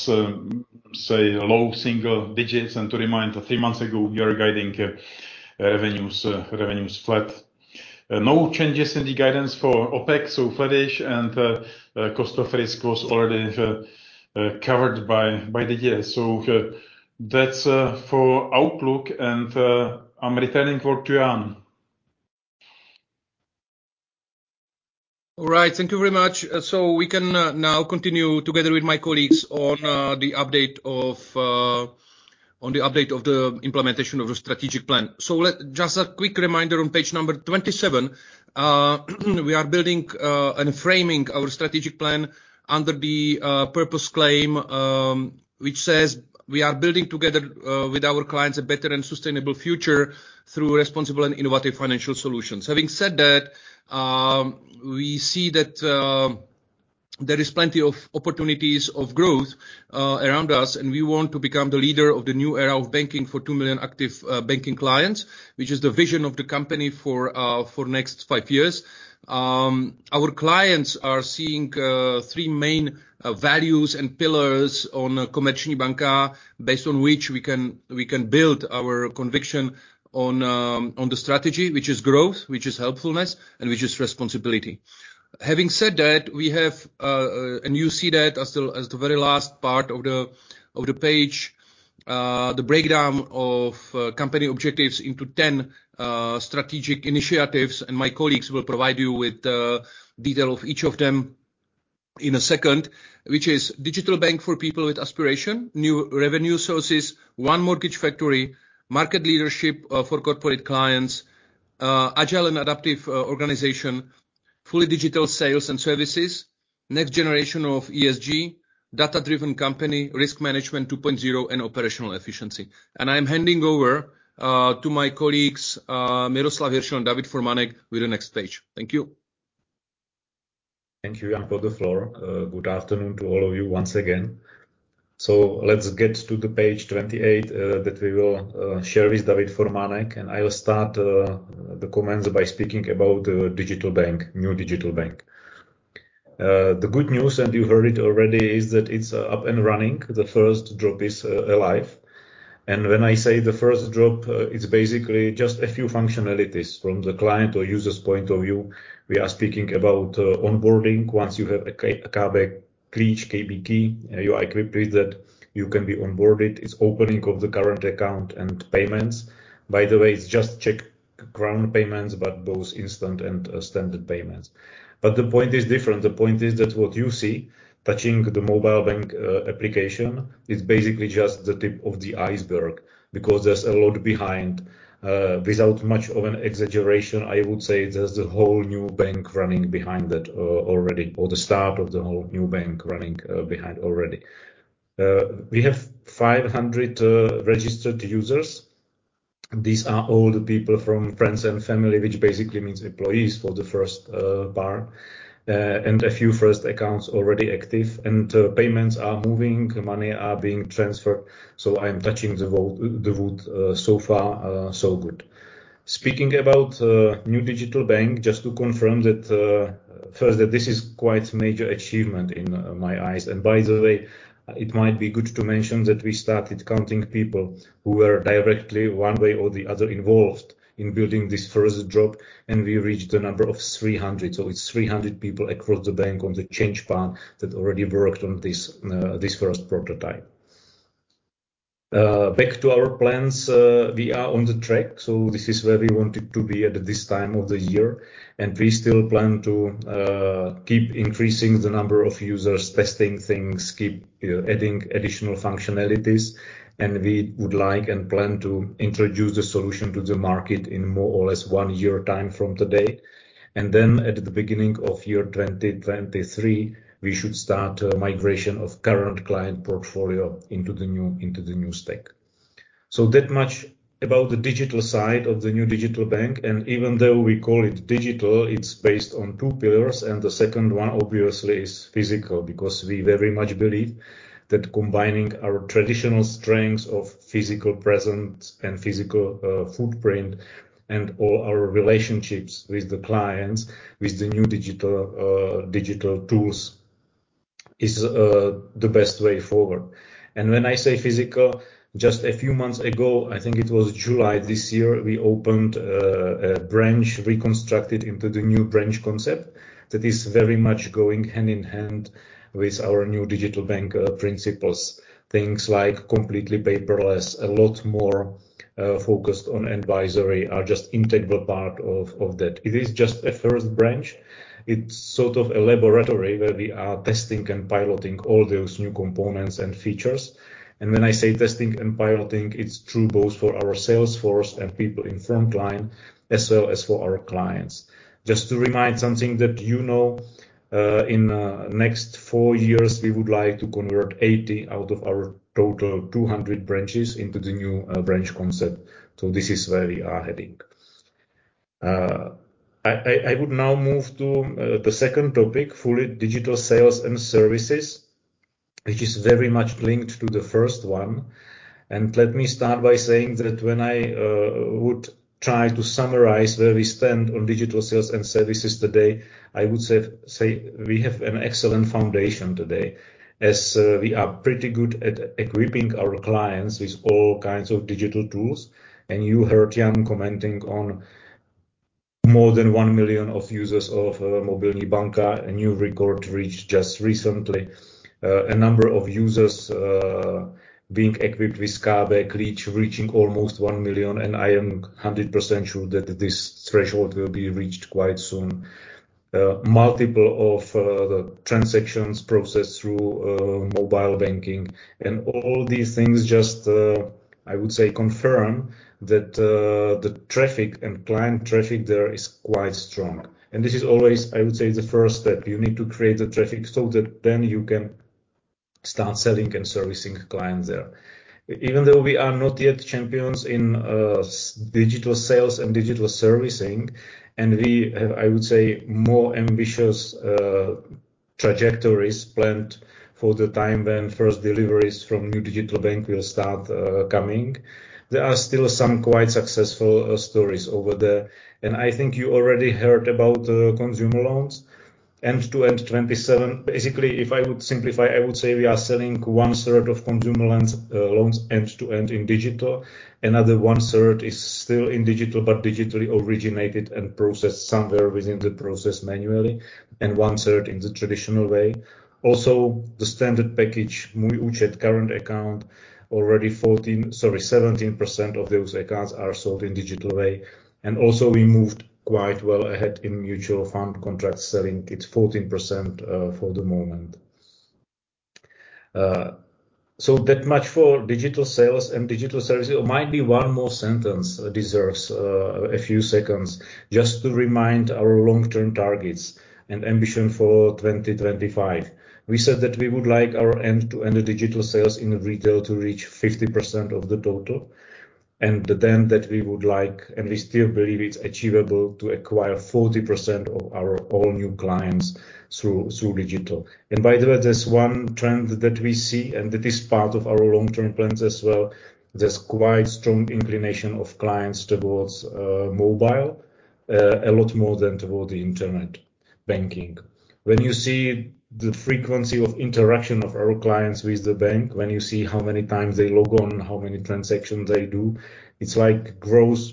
say low single digits. To remind, three months ago, we are guiding revenues flat. No changes in the guidance for OpEx, so flat-ish and cost of risk was already covered by Didier. That's for outlook. I'm returning for Jan. All right. Thank you very much. We can now continue together with my colleagues on the update of the implementation of the strategic plan. Just a quick reminder on page number 27, we are building and framing our strategic plan under the purpose claim, which says, we are building together with our clients a better and sustainable future through responsible and innovative financial solutions. Having said that, we see that there is plenty of opportunities of growth around us, and we want to become the leader of the new era of banking for 2 million active banking clients, which is the vision of the company for next five years. Our clients are seeing three main values and pillars on Komerční banka based on which we can build our conviction on the strategy, which is growth, which is helpfulness, and which is responsibility. Having said that, we have, and you see that as the very last part of the page, the breakdown of company objectives into 10 strategic initiatives, and my colleagues will provide you with the detail of each of them in a second, which is digital bank for people with aspiration, new revenue sources, One Mortgage Factory, market leadership for corporate clients, agile and adaptive organization, fully digital sales and services, next generation of ESG, data-driven company, risk management 2.0, and operational efficiency. I'm handing over to my colleagues Miroslav Hiršl and David Formánek with the next page. Thank you. Thank you, Jan, for the floor. Good afternoon to all of you once again. Let's get to page 28 that we will share with David Formánek, and I'll start the comments by speaking about digital bank, new digital bank. The good news, and you heard it already, is that it's up and running. The first drop is alive. When I say the first drop, it's basically just a few functionalities from the client or user's point of view. We are speaking about onboarding. Once you have a KB Klíč, KB Key, you are equipped with it, you can be onboarded. It's opening of the current account and payments. By the way, it's just Czech crown payments, but both instant and standard payments. The point is different. The point is that what you see touching the mobile bank application is basically just the tip of the iceberg because there's a lot behind. Without much of an exaggeration, I would say there's a whole new bank running behind that already or the start of the whole new bank running behind already. We have 500 registered users. These are all the people from friends and family, which basically means employees for the first part, and a few first accounts already active, and payments are moving, money are being transferred. I am touching the wood so far so good. Speaking about new digital bank, just to confirm that, first, that this is quite major achievement in my eyes. By the way, it might be good to mention that we started counting people who were directly one way or the other involved in building this first drop, and we reached a number of 300. It's 300 people across the bank on the change path that already worked on this first prototype. Back to our plans, we are on the track, so this is where we wanted to be at this time of the year, and we still plan to keep increasing the number of users, testing things, keep adding additional functionalities, and we would like and plan to introduce the solution to the market in more or less one year time from today. Then at the beginning of year 2023, we should start migration of current client portfolio into the new stack. That much about the digital side of the new digital bank. Even though we call it digital, it's based on two pillars, and the second one, obviously, is physical, because we very much believe that combining our traditional strengths of physical presence and physical footprint and all our relationships with the clients, with the new digital tools is the best way forward. When I say physical, just a few months ago, I think it was July this year, we opened a branch reconstructed into the new branch concept that is very much going hand in hand with our new digital bank principles. Things like completely paperless, a lot more focused on advisory are just integral part of that. It is just a first branch. It's sort of a laboratory where we are testing and piloting all those new components and features. When I say testing and piloting, it's true both for our sales force and people in front line, as well as for our clients. Just to remind something that you know, in next four years, we would like to convert 80 out of our total 200 branches into the new branch concept. This is where we are heading. I would now move to the second topic, fully digital sales and services, which is very much linked to the first one. Let me start by saying that when I would try to summarize where we stand on digital sales and services today, I would say we have an excellent foundation today, as we are pretty good at equipping our clients with all kinds of digital tools. You heard Jan commenting on more than 1 million users of Mobilní banka, a new record reached just recently. A number of users being equipped with KB Klíč reaching almost 1 million, and I am 100% sure that this threshold will be reached quite soon. Multiple of the transactions processed through mobile banking and all these things just, I would say, confirm that the traffic and client traffic there is quite strong. This is always, I would say, the first step. You need to create the traffic so that then you can start selling and servicing clients there. Even though we are not yet champions in digital sales and digital servicing, and we have, I would say, more ambitious trajectories planned for the time when first deliveries from new digital bank will start coming, there are still some quite successful stories over there. I think you already heard about the consumer loans, end-to-end 27. Basically, if I would simplify, I would say we are selling 1/3 of consumer loans end-to-end in digital. Another 1/3 is still in digital, but digitally originated and processed somewhere within the process manually, and 1/3 in the traditional way. Also, the standard package, Můj Účet current account, already 17% of those accounts are sold in digital way. We also moved quite well ahead in mutual fund contract selling. It's 14%, for the moment. That much for digital sales and digital services. There might be one more sentence that deserves a few seconds just to remind our long-term targets and ambition for 2025. We said that we would like our end-to-end digital sales in retail to reach 50% of the total, and then that we would like, and we still believe it's achievable, to acquire 40% of our all new clients through digital. By the way, there's one trend that we see, and that is part of our long-term plans as well. There's quite strong inclination of clients towards mobile, a lot more than toward the internet banking. When you see the frequency of interaction of our clients with the bank, when you see how many times they log on, how many transactions they do, it's like growth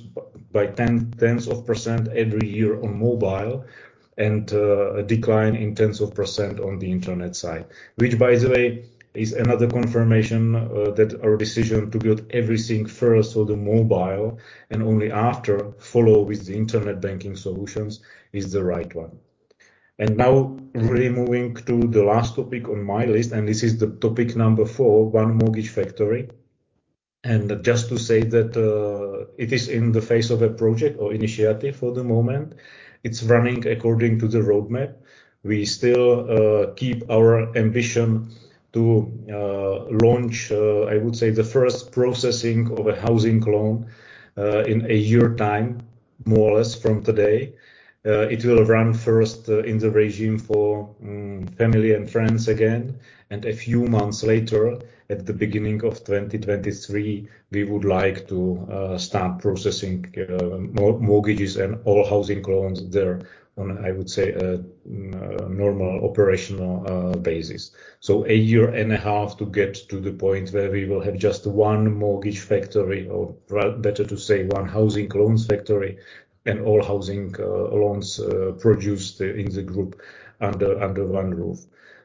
by tens of percent every year on mobile and a decline in tens of percent on the internet side, which by the way, is another confirmation that our decision to build everything first on the mobile and only after follow with the internet banking solutions is the right one. Now really moving to the last topic on my list, and this is the topic number four, One Mortgage Factory. Just to say that it is in the phase of a project or initiative for the moment. It's running according to the roadmap. We still keep our ambition to launch, I would say, the first processing of a housing loan in a year time, more or less from today. It will run first in the regime for family and friends again. A few months later, at the beginning of 2023, we would like to start processing mortgages and all housing loans there on, I would say, a normal operational basis. A year and a half to get to the point where we will have just One Mortgage Factory or better to say, one housing loans factory and all housing loans produced in the group under one roof.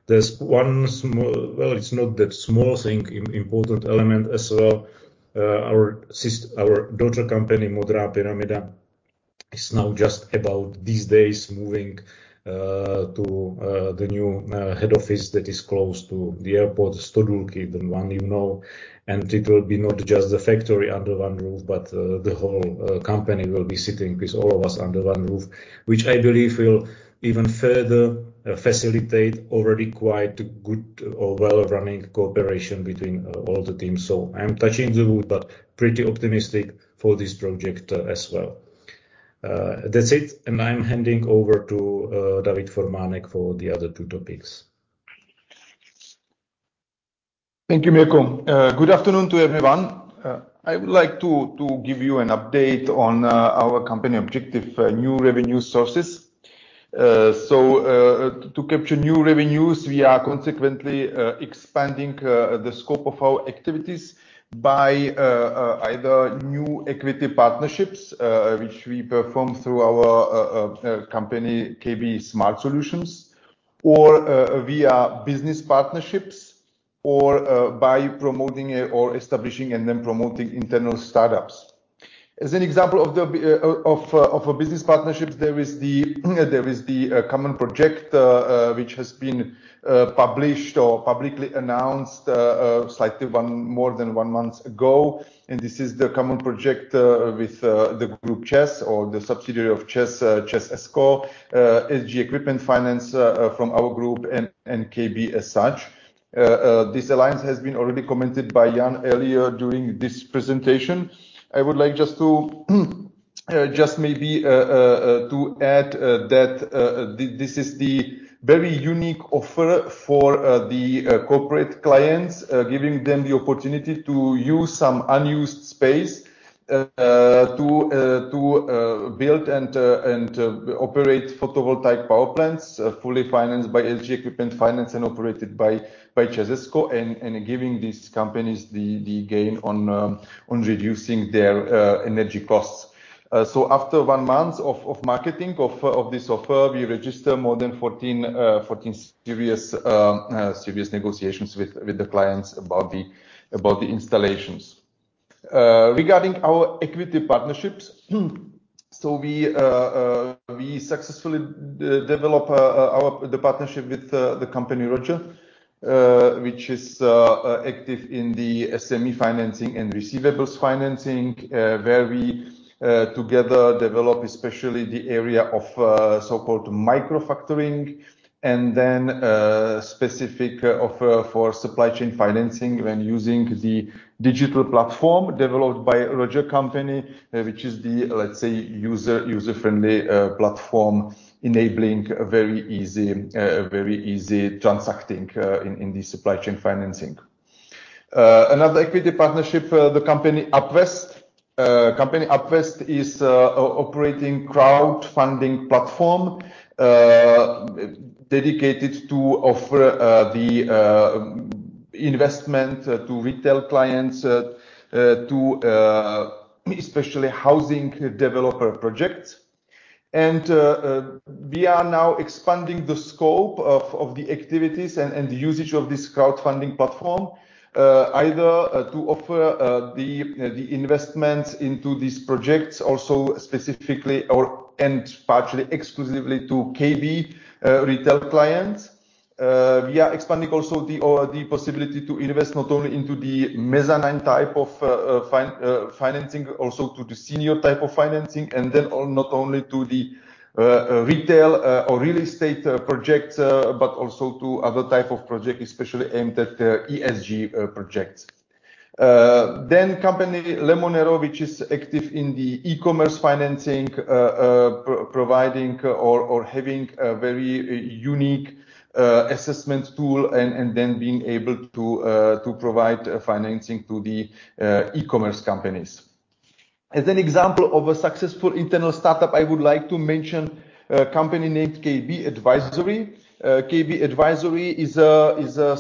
There's one small thing, well, it's not that small, important element as well. Our daughter company, Modrá pyramida. It's now just about these days moving to the new head office that is close to the airport, Stodůlky, the one you know. It will be not just the factory under one roof, but the whole company will be sitting with all of us under one roof. Which I believe will even further facilitate already quite good or well-running cooperation between all the teams. I am touching the wood, but pretty optimistic for this project as well. That's it, and I'm handing over to David Formánek for the other two topics. Thank you, Miroslav. Good afternoon to everyone. I would like to give you an update on our company objective, new revenue sources. To capture new revenues, we are consequently expanding the scope of our activities by either new equity partnerships, which we perform through our company KB SmartSolutions, or via business partnerships or by promoting or establishing and then promoting internal startups. As an example of the business partnerships, there is the common project, which has been published or publicly announced slightly more than one month ago. This is the common project with the group ČEZ or the subsidiary of ČEZ ESCO, SG Equipment Finance from our group and KB as such. This alliance has been already commented by Jan earlier during this presentation. I would like just to maybe add that this is the very unique offer for the corporate clients. Giving them the opportunity to use some unused space to build and operate photovoltaic power plants, fully financed by SG Equipment Finance and operated by ČEZ ESCO. Giving these companies the gain on reducing their energy costs. After one month of marketing of this offer, we registered more than 14 serious negotiations with the clients about the installations. Regarding our equity partnerships, we successfully develop the partnership with the company Roger, which is active in the SME financing and receivables financing, where we together develop especially the area of so-called micro factoring. A specific offer for supply chain financing when using the digital platform developed by Roger company, which is the, let's say, user-friendly platform enabling very easy transacting in the supply chain financing. Another equity partnership, the company Upvest. Company Upvest is operating crowdfunding platform dedicated to offer the investment to retail clients to especially housing developer projects. We are now expanding the scope of the activities and the usage of this crowdfunding platform. Either to offer the investments into these projects also specifically or and partially exclusively to KB retail clients. We are expanding also the possibility to invest not only into the mezzanine type of financing, also to the senior type of financing, and then not only to the retail or real estate projects, but also to other type of project, especially aimed at ESG projects. Company Lemonero, which is active in the e-commerce financing, providing or having a very unique assessment tool and then being able to provide financing to the e-commerce companies. As an example of a successful internal startup, I would like to mention a company named KB Advisory. KB Advisory is a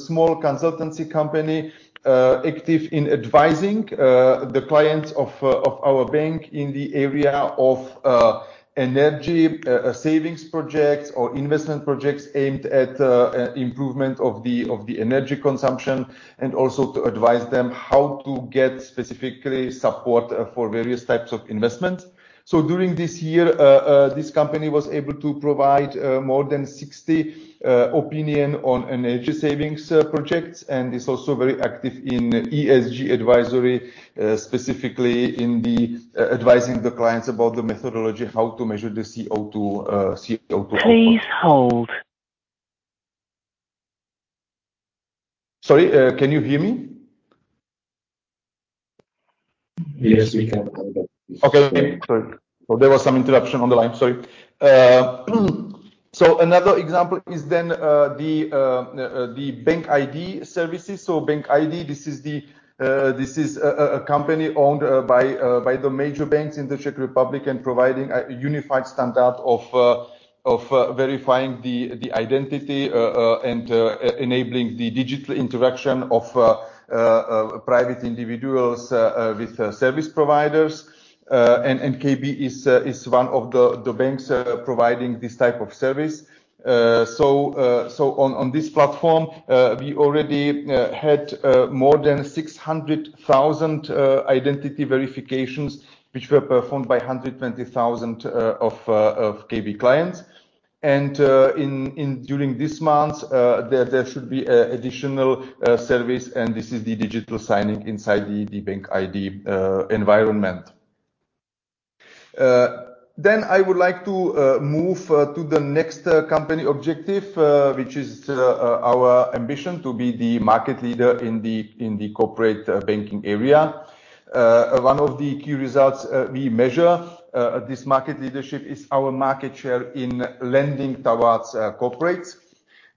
small consultancy company active in advising the clients of our bank in the area of energy savings projects or investment projects aimed at improvement of the energy consumption. Also to advise them how to get specific support for various types of investments. During this year, this company was able to provide more than 60 opinions on energy savings projects and is also very active in ESG advisory. Specifically in the advising the clients about the methodology, how to measure the CO2 output. Sorry, can you hear me? Yes, we can. Sorry. There was some interruption on the line. Sorry. Another example is the Bank iD services. Bank iD, this is a company owned by the major banks in the Czech Republic and providing a unified standard of verifying the identity and enabling the digital interaction of private individuals with service providers. KB is one of the banks providing this type of service. On this platform, we already had more than 600,000 identity verifications, which were performed by 120,000 of KB clients. During this month, there should be additional service, and this is the digital signing inside the Bank iD environment. I would like to move to the next company objective, which is our ambition to be the market leader in the corporate banking area. One of the key results we measure this market leadership is our market share in lending towards corporates.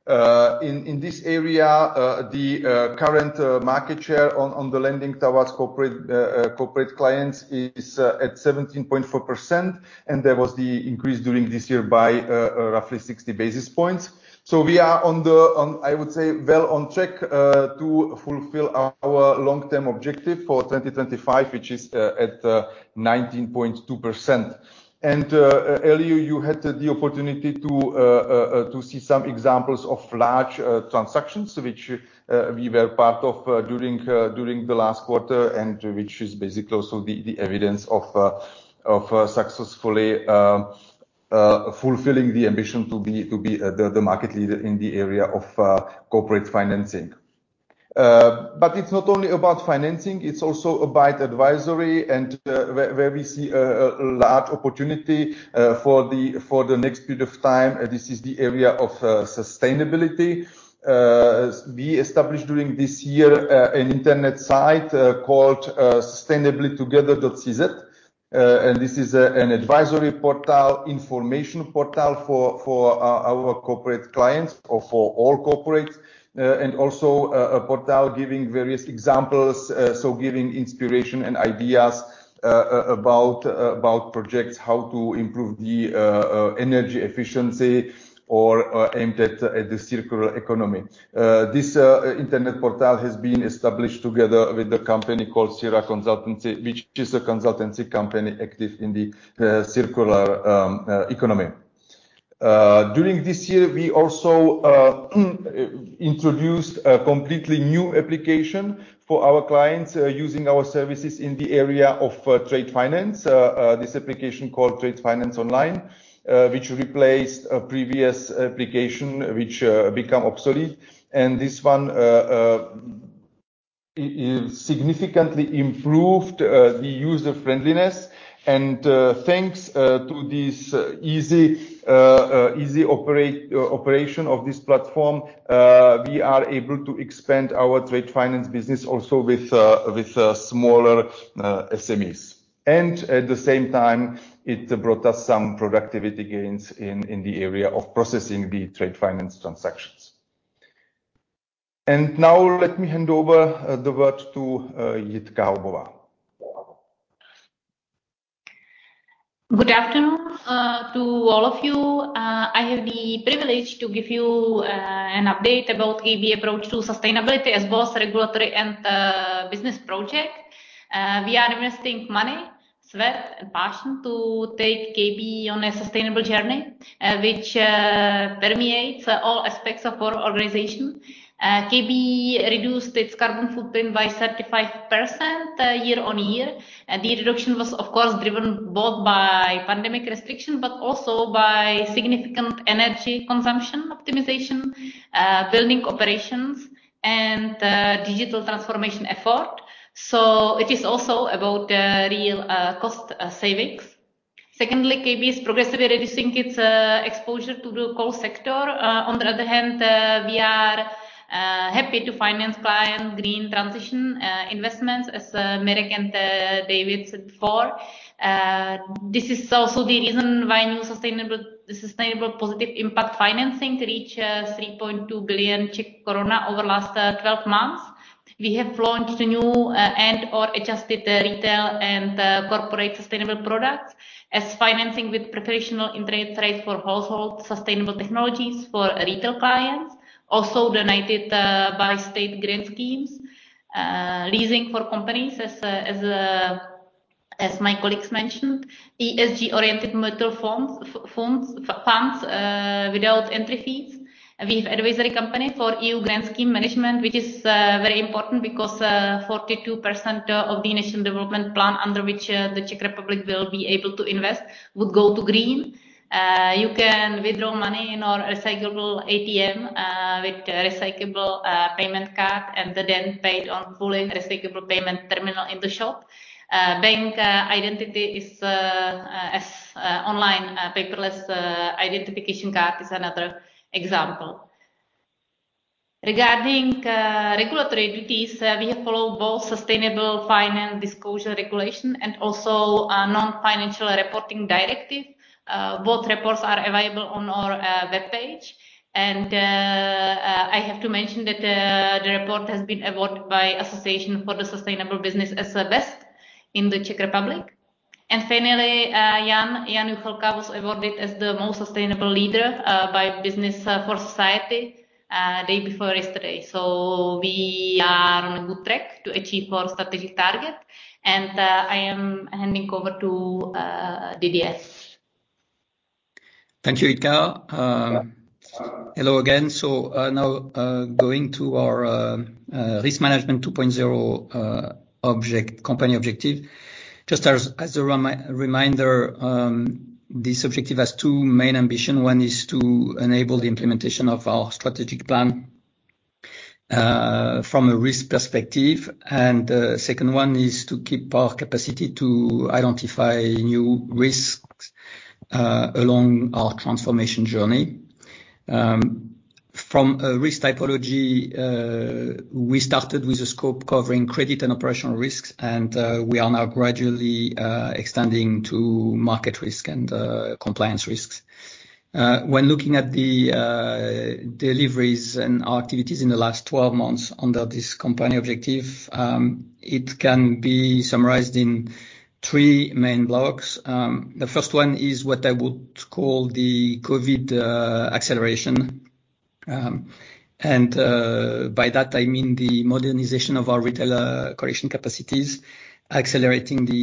In this area, the current market share on the lending towards corporate clients is at 17.4%, and there was the increase during this year by roughly 60 basis points. We are on, I would say, well on track to fulfill our long-term objective for 2025, which is at 19.2%. Earlier you had the opportunity to see some examples of large transactions which we were part of during the last quarter, and which is basically also the evidence of successfully fulfilling the ambition to be the market leader in the area of corporate financing. It's not only about financing, it's also about advisory and where we see a large opportunity for the next period of time. This is the area of sustainability. We established during this year an internet site called sustainablytogether.cz. This is an advisory portal, information portal for our corporate clients or for all corporates, and also a portal giving various examples, giving inspiration and ideas about projects, how to improve the energy efficiency or aimed at the circular economy. This internet portal has been established together with a company called CIRA Consultancy, which is a consultancy company active in the circular economy. During this year, we also introduced a completely new application for our clients using our services in the area of trade finance. This application called Trade Finance Online, which replaced a previous application which become obsolete. This one is significantly improved the user friendliness. Thanks to this easy operation of this platform, we are able to expand our trade finance business also with smaller SMEs. At the same time, it brought us some productivity gains in the area of processing the trade finance transactions. Now let me hand over the word to Jitka Haubová. Good afternoon to all of you. I have the privilege to give you an update about KB approach to sustainability as both regulatory and business project. We are investing money, sweat, and passion to take KB on a sustainable journey, which permeates all aspects of our organization. KB reduced its carbon footprint by 35% year-on-year. The reduction was of course driven both by pandemic restrictions, but also by significant energy consumption optimization, building operations and digital transformation effort. It is also about real cost savings. Secondly, KB is progressively reducing its exposure to the coal sector. On the other hand, we are happy to finance client green transition investments as Miroslav and David said before. This is also the reason why new sustainable positive impact financing reached 3.2 billion over the last 12 months. We have launched a new and adjusted retail and corporate sustainable products as financing with preferential interest rates for household sustainable technologies for retail clients, also donated by state grant schemes. Leasing for companies, as my colleagues mentioned, ESG oriented mutual funds without entry fees. We have advisory company for EU grant scheme management, which is very important because 42% of the initial development plan under which the Czech Republic will be able to invest will go to green. You can withdraw money in our recyclable ATM with recyclable payment card and then paid on fully recyclable payment terminal in the shop. Bank iD is an online paperless identification card, another example. Regarding regulatory duties, we have followed both Sustainable Finance Disclosures Regulation and also Non-Financial Reporting Directive. Both reports are available on our webpage. I have to mention that the report has been awarded by Association for Sustainable Business as the best in the Czech Republic. Finally, Jan Juchelka was awarded as the most sustainable leader by Business for Society day before yesterday. We are on a good track to achieve our strategic target. I am handing over to Didier Colin. Thank you, Jitka. Hello again. Now going to our Risk Management 2.0 company objective. Just as a reminder, this objective has two main ambition. One is to enable the implementation of our strategic plan from a risk perspective. The second one is to keep our capacity to identify new risks along our transformation journey. From a risk typology, we started with a scope covering credit and operational risks, and we are now gradually extending to market risk and compliance risks. When looking at the deliveries and our activities in the last 12 months under this company objective, it can be summarized in three main blocks. The first one is what I would call the COVID acceleration. by that I mean the modernization of our retail collection capacities, accelerating the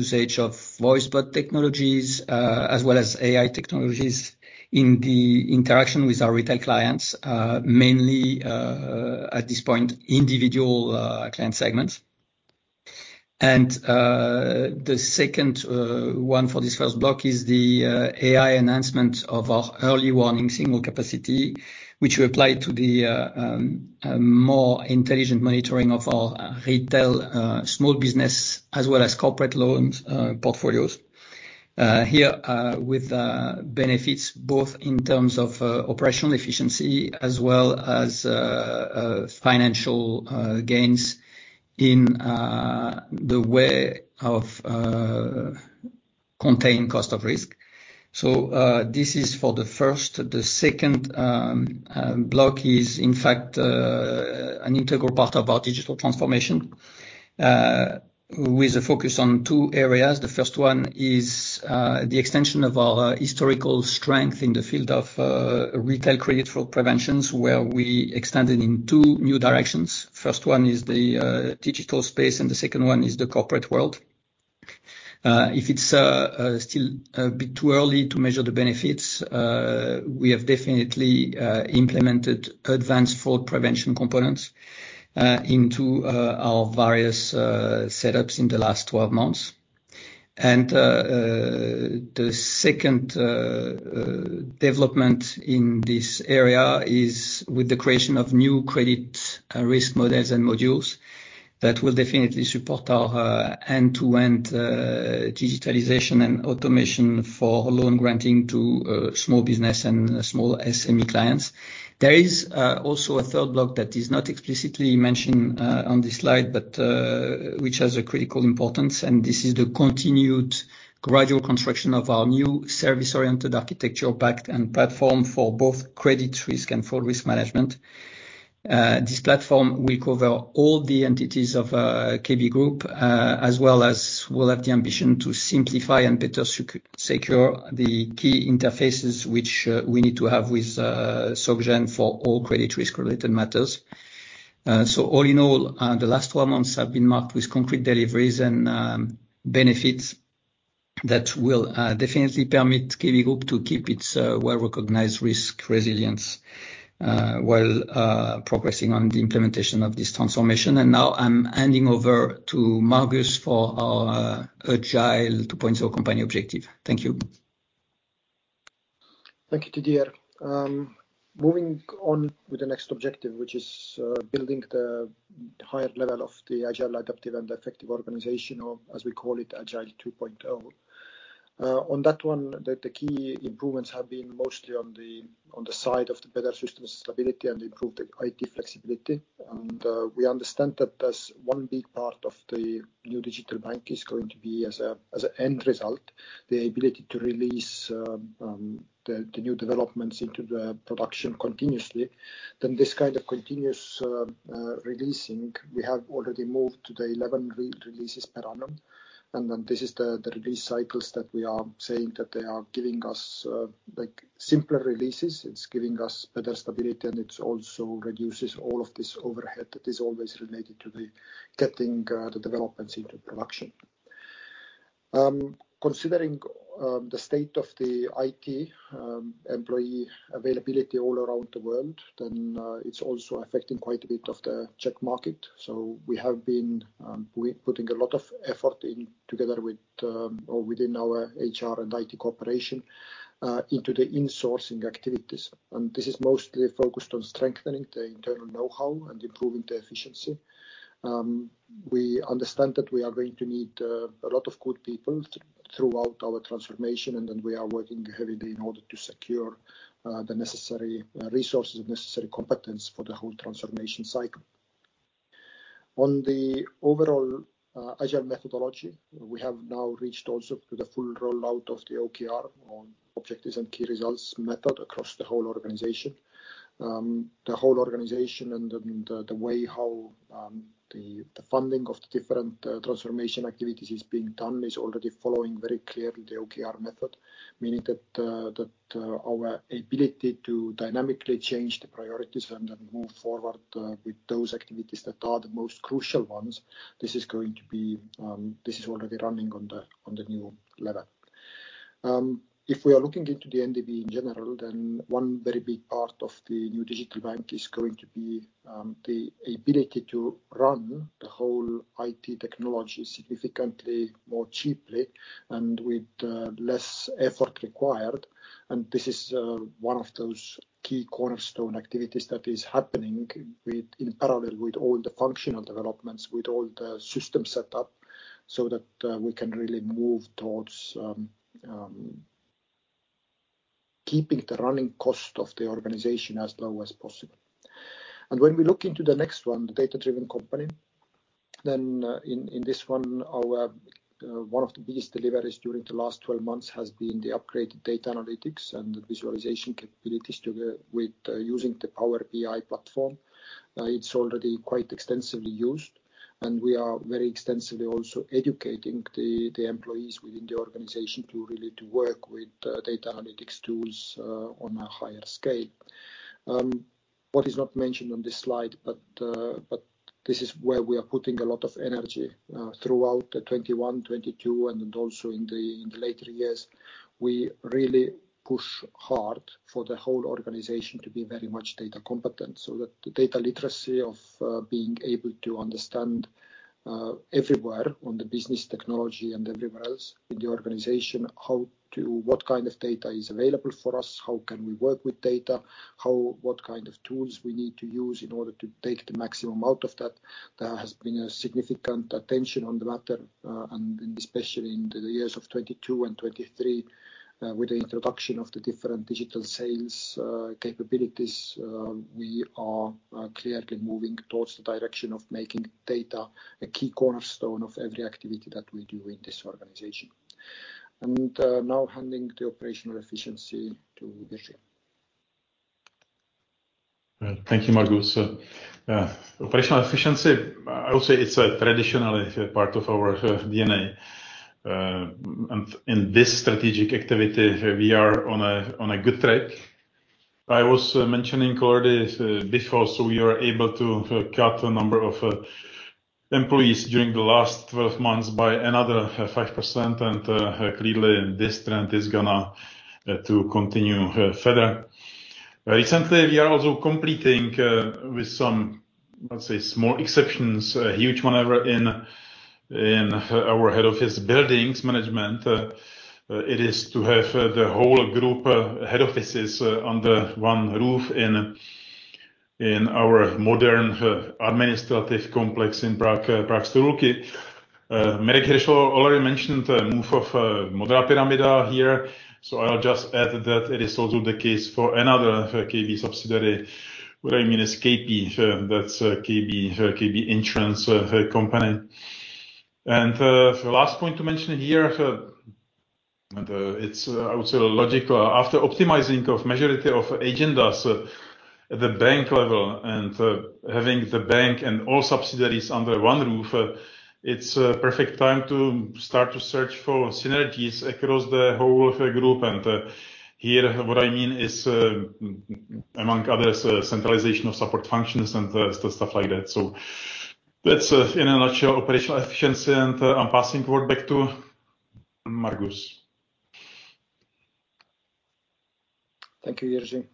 usage of voice bot technologies, as well as AI technologies in the interaction with our retail clients, mainly, at this point, individual client segments. The second one for this first block is the AI enhancement of our early warning signal capacity, which we apply to the more intelligent monitoring of our retail small business as well as corporate loans portfolios, here with benefits both in terms of operational efficiency as well as financial gains in the way of contained cost of risk. This is for the first. The second block is in fact an integral part of our digital transformation with a focus on two areas. The first one is the extension of our historical strength in the field of retail credit fraud preventions, where we extended in two new directions. First one is the digital space, and the second one is the corporate world. If it's still a bit too early to measure the benefits, we have definitely implemented advanced fraud prevention components into our various setups in the last twelve months. The second development in this area is with the creation of new credit risk models and modules that will definitely support our end-to-end digitalization and automation for loan granting to small business and small SME clients. There is also a third block that is not explicitly mentioned on this slide, but which has a critical importance, and this is the continued gradual construction of our new service-oriented architecture pack and platform for both credit risk and fraud risk management. This platform will cover all the entities of KB Group, as well as we'll have the ambition to simplify and better secure the key interfaces which we need to have with Soc Gen for all credit risk related matters. So all in all, the last 12 months have been marked with concrete deliveries and benefits that will definitely permit KB Group to keep its well-recognized risk resilience, while progressing on the implementation of this transformation. Now I'm handing over to Margus for our Agile 2.0 company objective. Thank you. Thank you, Didier. Moving on with the next objective, which is building the higher level of the agile, adaptive and effective organization, or as we call it, Agile 2.0. On that one, the key improvements have been mostly on the side of the better system stability and improved IT flexibility. We understand that as one big part of the new digital bank is going to be as an end result, the ability to release the new developments into the production continuously. This kind of continuous releasing, we have already moved to the 11 releases per annum. This is the release cycles that we are saying that they are giving us, like simpler releases. It's giving us better stability, and it also reduces all of this overhead that is always related to getting the developments into production. Considering the state of the IT employee availability all around the world, it's also affecting quite a bit of the Czech market. We have been putting a lot of effort in together with or within our HR and IT cooperation into the insourcing activities. This is mostly focused on strengthening the internal know-how and improving the efficiency. We understand that we are going to need a lot of good people throughout our transformation, and we are working heavily in order to secure the necessary resources and necessary competence for the whole transformation cycle. On the overall agile methodology, we have now reached also to the full rollout of the OKR on objectives and key results method across the whole organization. The whole organization and the way how the funding of the different transformation activities is being done is already following very clearly the OKR method. Meaning that our ability to dynamically change the priorities and then move forward with those activities that are the most crucial ones, this is already running on the new level. If we are looking into the NDB in general, then one very big part of the new digital bank is going to be the ability to run the whole IT technology significantly more cheaply and with less effort required. This is one of those key cornerstone activities that is happening in parallel with all the functional developments, with all the system set up, so that we can really move towards keeping the running cost of the organization as low as possible. When we look into the next one, the data-driven company, then in this one our one of the biggest deliveries during the last 12 months has been the upgraded data analytics and the visualization capabilities together with using the Power BI platform. It's already quite extensively used, and we are very extensively also educating the employees within the organization to really work with data analytics tools on a higher scale. What is not mentioned on this slide, but this is where we are putting a lot of energy throughout 2021, 2022, and then also in the later years. We really push hard for the whole organization to be very much data competent, so that the data literacy of being able to understand everywhere on the business technology and everywhere else in the organization what kind of data is available for us, how can we work with data, what kind of tools we need to use in order to take the maximum out of that. There has been a significant attention on the matter, and especially in the years 2022 and 2023, with the introduction of the different digital sales capabilities, we are clearly moving towards the direction of making data a key cornerstone of every activity that we do in this organization. Now handing the operational efficiency to Jiří. Thank you, Margus. Operational efficiency, I would say it's traditionally a part of our DNA. In this strategic activity, we are on a good track. I was mentioning already before, so we are able to cut the number of employees during the last 12 months by another 5%, and clearly this trend is gonna to continue further. Recently, we are also completing with some, let's say small exceptions, a huge one ever in our head office buildings management. It is to have the whole group head offices under one roof in our modern administrative complex in Prague Stromovka. Miroslav already mentioned the move of Modrá pyramida here, so I'll just add that it is also the case for another KB subsidiary. What I mean is KP. That's KB Insurance company. The last point to mention here, and it's, I would say logical, after optimizing of majority of agendas at the bank level and having the bank and all subsidiaries under one roof, it's a perfect time to start to search for synergies across the whole of our group. Here, what I mean is, among others, centralization of support functions and stuff like that. That's in a nutshell operational efficiency, and I'm passing the word back to Margus. Thank you, Jiří.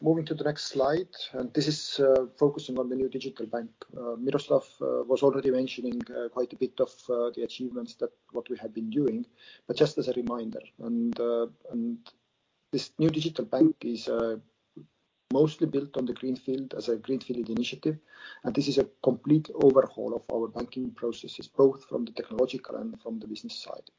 Moving to the next slide, this is focusing on the new digital bank. Miroslav was already mentioning quite a bit of the achievements that what we have been doing. Just as a reminder, this new digital bank is mostly built on the greenfield as a greenfield initiative, and this is a complete overhaul of our banking processes, both from the technological and from the business side.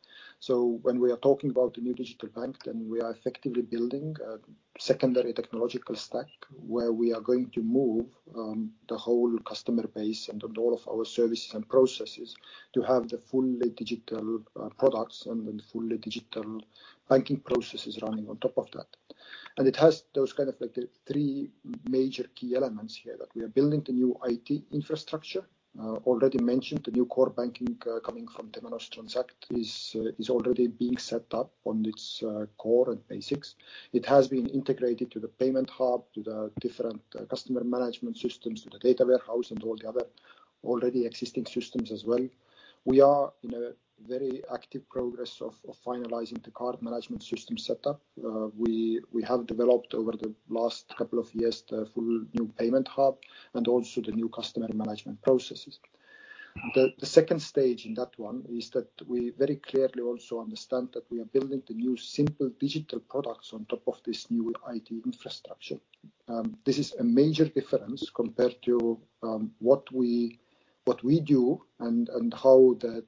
When we are talking about the new digital bank, then we are effectively building a secondary technological stack where we are going to move the whole customer base and all of our services and processes to have the fully digital products and the fully digital banking processes running on top of that. It has those kind of like the three major key elements here that we are building the new IT infrastructure. Already mentioned the new core banking coming from Temenos Transact is already being set up on its core and basics. It has been integrated to the payment hub, to the different customer management systems, to the data warehouse, and all the other already existing systems as well. We are in a very active progress of finalizing the card management system setup. We have developed over the last couple of years the full new payment hub and also the new customer management processes. The second stage in that one is that we very clearly also understand that we are building the new simple digital products on top of this new IT infrastructure. This is a major difference compared to what we do and how the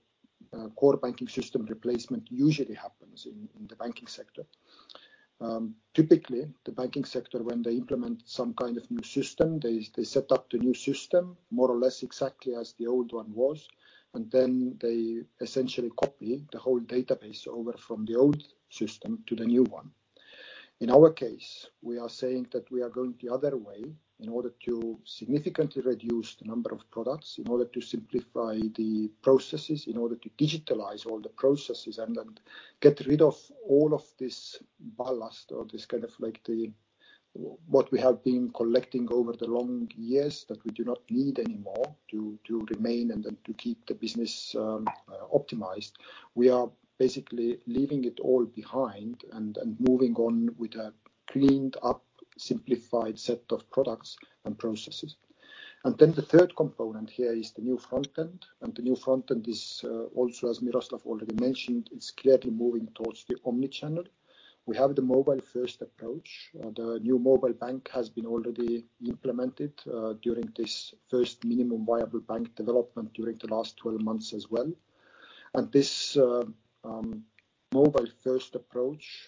core banking system replacement usually happens in the banking sector. Typically, the banking sector, when they implement some kind of new system, they set up the new system more or less exactly as the old one was, and then they essentially copy the whole database over from the old system to the new one. In our case, we are saying that we are going the other way in order to significantly reduce the number of products, in order to simplify the processes, in order to digitalize all the processes and get rid of all of this ballast or this kind of like the what we have been collecting over the long years that we do not need anymore to remain and then to keep the business optimized. We are basically leaving it all behind and moving on with a cleaned-up, simplified set of products and processes. Then the third component here is the new front end, and the new front end is also as Miroslav already mentioned, it's clearly moving towards the omni-channel. We have the mobile-first approach. The new mobile bank has been already implemented during this first minimum viable bank development during the last 12 months as well. This mobile-first approach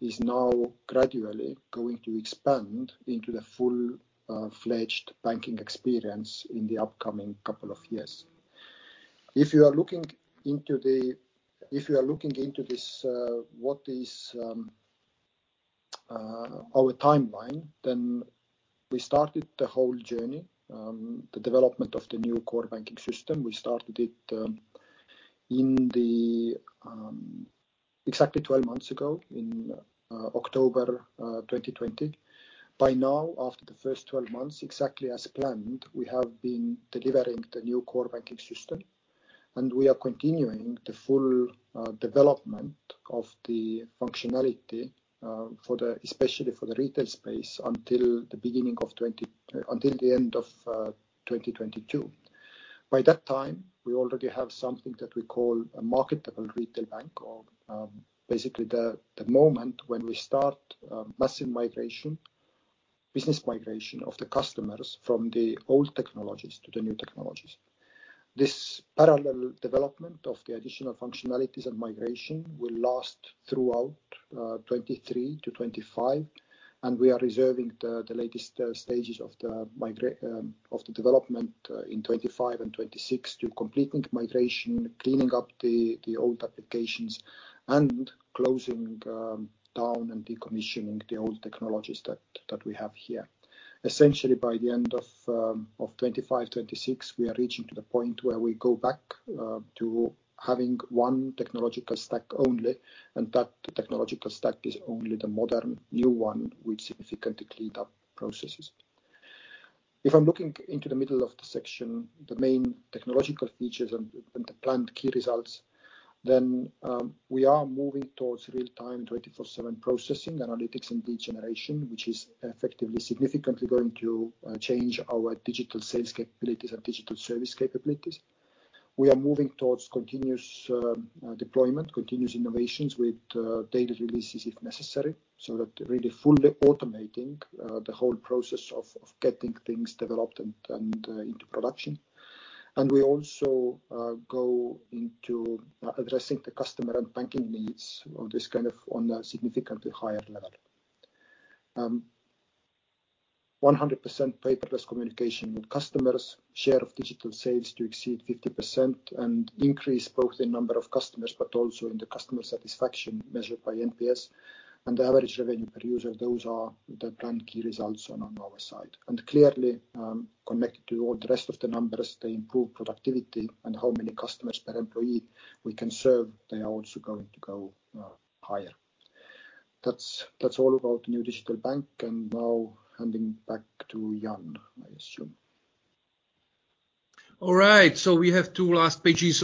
is now gradually going to expand into the full-fledged banking experience in the upcoming couple of years. If you are looking into this, what is our timeline, then we started the whole journey, the development of the new core banking system. We started it in exactly 12 months ago in October 2020. By now, after the first 12 months, exactly as planned, we have been delivering the new core banking system, and we are continuing the full development of the functionality especially for the retail space until the beginning of 2022. Until the end of 2022. By that time, we already have something that we call a marketable retail bank or basically the moment when we start massive migration, business migration of the customers from the old technologies to the new technologies. This parallel development of the additional functionalities and migration will last throughout 2023-2025, and we are reserving the latest stages of the development in 2025 and 2026 to completing migration, cleaning up the old applications and closing down and decommissioning the old technologies that we have here. Essentially, by the end of 2025-2026, we are reaching to the point where we go back to having one technological stack only, and that technological stack is only the modern new one with significantly cleaned-up processes. If I'm looking into the middle of the section, the main technological features and the planned key results, then we are moving towards real-time, 24/7 processing, analytics and lead generation, which is effectively significantly going to change our digital sales capabilities and digital service capabilities. We are moving towards continuous deployment, continuous innovations with daily releases if necessary, so that really fully automating the whole process of getting things developed and into production. We also go into addressing the customer and banking needs of this kind of on a significantly higher level. 100% paperless communication with customers, share of digital sales to exceed 50% and increase both the number of customers, but also in the customer satisfaction measured by NPS and the average revenue per user. Those are the planned key results on our side. Clearly, connected to all the rest of the numbers, they improve productivity and how many customers per employee we can serve. They are also going to go higher. That's all about the new digital bank. Now handing back to Jan, I assume. All right. We have two last pages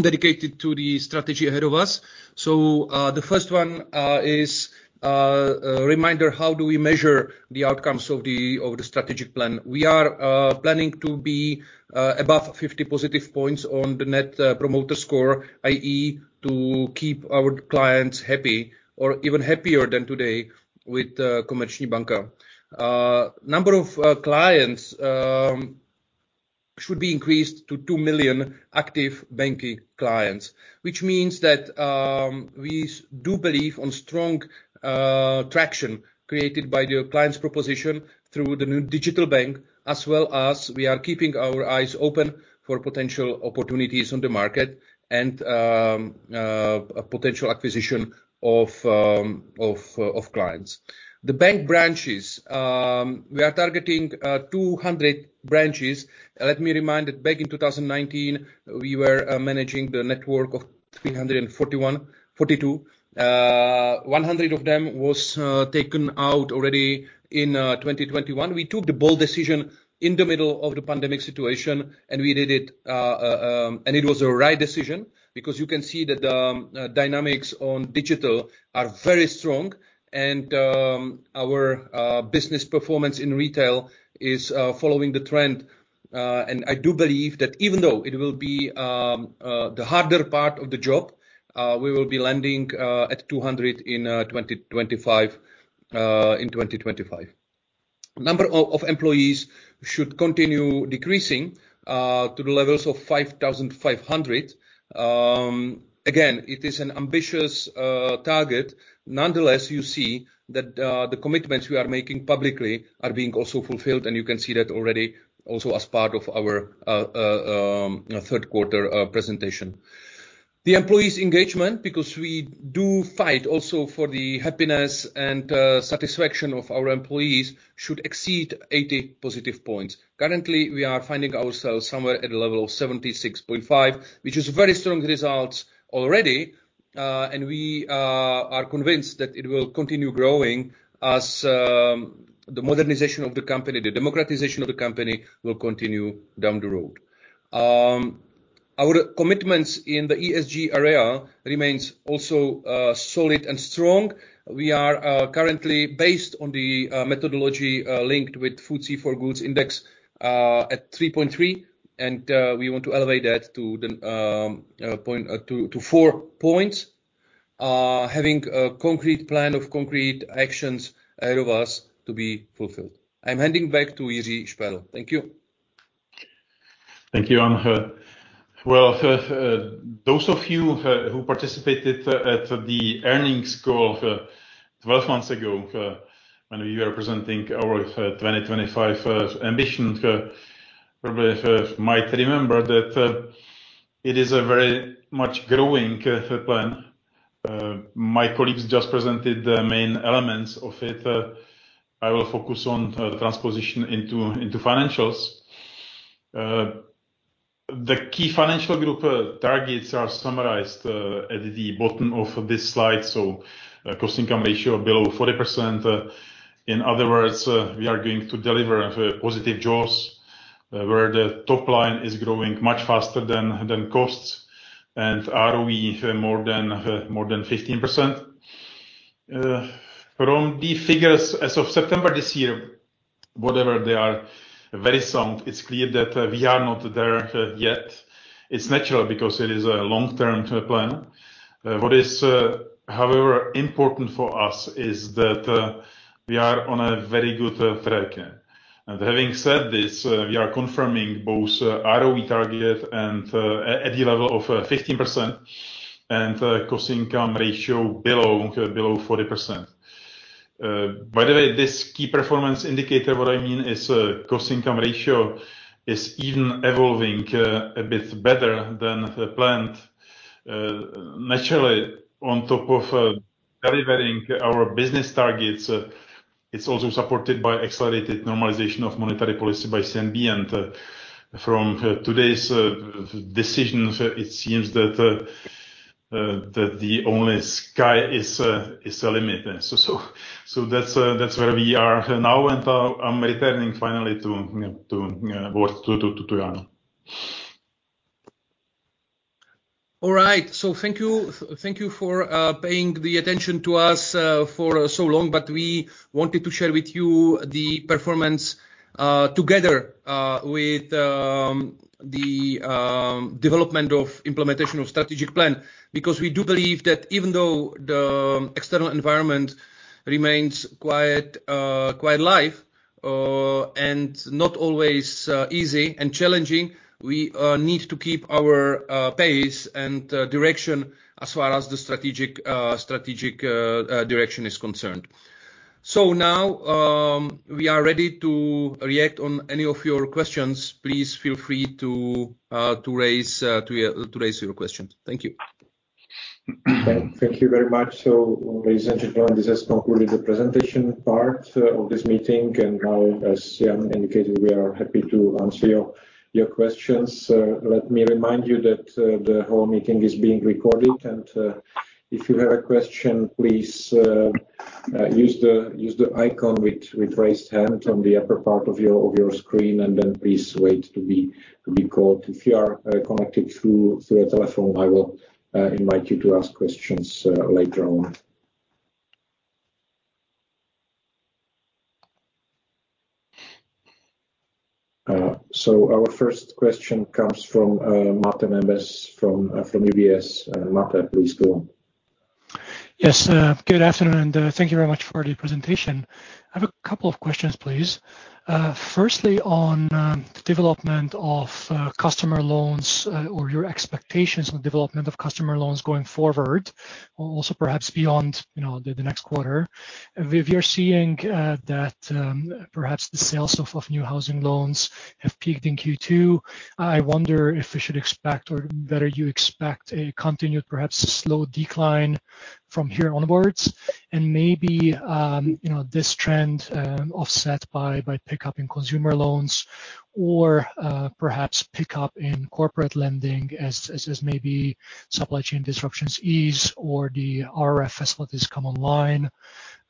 dedicated to the strategy ahead of us. The first one is a reminder, how do we measure the outcomes of the strategic plan? We are planning to be above 50 positive points on the Net Promoter Score, i.e., to keep our clients happy or even happier than today with Komerční banka. Number of clients should be increased to 2 million active banking clients, which means that we do believe on strong traction created by the client's proposition through the new digital bank, as well as we are keeping our eyes open for potential opportunities on the market and a potential acquisition of clients. The bank branches we are targeting 200 branches. Let me remind that back in 2019, we were managing the network of 342. 100 of them was taken out already in 2021. We took the bold decision in the middle of the pandemic situation, and we did it. It was a right decision because you can see that dynamics on digital are very strong and our business performance in retail is following the trend. I do believe that even though it will be the harder part of the job, we will be landing at 200 in 2025. Number of employees should continue decreasing to the levels of 5,500. Again, it is an ambitious target. Nonetheless, you see that the commitments we are making publicly are being also fulfilled, and you can see that already also as part of our third quarter presentation. The employees' engagement, because we do fight also for the happiness and satisfaction of our employees, should exceed 80 positive points. Currently, we are finding ourselves somewhere at a level of 76.5, which is very strong results already, and we are convinced that it will continue growing. The modernization of the company, the democratization of the company will continue down the road. Our commitments in the ESG area remains also solid and strong. We are currently based on the methodology linked with FTSE4Good index at 3.3, and we want to elevate that to four points, having a concrete plan of concrete actions ahead of us to be fulfilled. I'm handing back to Jiří Šperl. Thank you. Thank you, Jan. Well, those of you who participated at the earnings call 12 months ago, when we were presenting our 2025 ambition, probably might remember that, it is a very much growing plan. My colleagues just presented the main elements of it. I will focus on transposition into financials. The key financial group targets are summarized at the bottom of this slide, so cost-to-income ratio below 40%. In other words, we are going to deliver positive jaws where the top line is growing much faster than costs and ROE more than 15%. From the figures as of September this year, whatever they are very sound, it's clear that we are not there yet. It's natural because it is a long-term plan. What is, however, important for us is that we are on a very good track. Having said this, we are confirming both ROE target and at a level of 15% and cost-to-income ratio below 40%. By the way, this key performance indicator, what I mean is cost-to-income ratio is even evolving a bit better than planned. Naturally, on top of delivering our business targets, it's also supported by accelerated normalization of monetary policy by CNB. From today's decisions, it seems that the sky is the limit. So that's where we are now. I'm returning finally to Jan. All right. Thank you. Thank you for paying the attention to us for so long. We wanted to share with you the performance together with the development of implementation of strategic plan, because we do believe that even though the external environment remains quite live and not always easy and challenging, we need to keep our pace and direction as far as the strategic direction is concerned. Now we are ready to react on any of your questions. Please feel free to raise your question. Thank you. Thank you very much. Ladies and gentlemen, this has concluded the presentation part of this meeting. Now, as Jan indicated, we are happy to answer your questions. Let me remind you that the whole meeting is being recorded. If you have a question, please use the icon with raised hand on the upper part of your screen, and then please wait to be called. If you are connected through via telephone, I will invite you to ask questions later on. Our first question comes from Mate Nemes from UBS. Martin, please go on. Yes. Good afternoon, and thank you very much for the presentation. I have a couple of questions, please. Firstly on the development of customer loans or your expectations on development of customer loans going forward, also perhaps beyond the next quarter. If you're seeing that perhaps the sales of new housing loans have peaked in Q2, I wonder if we should expect or whether you expect a continued perhaps slow decline from here onwards and maybe, you know, this trend offset by pickup in consumer loans or perhaps pickup in corporate lending as maybe supply chain disruptions ease or the RRF facilities come online,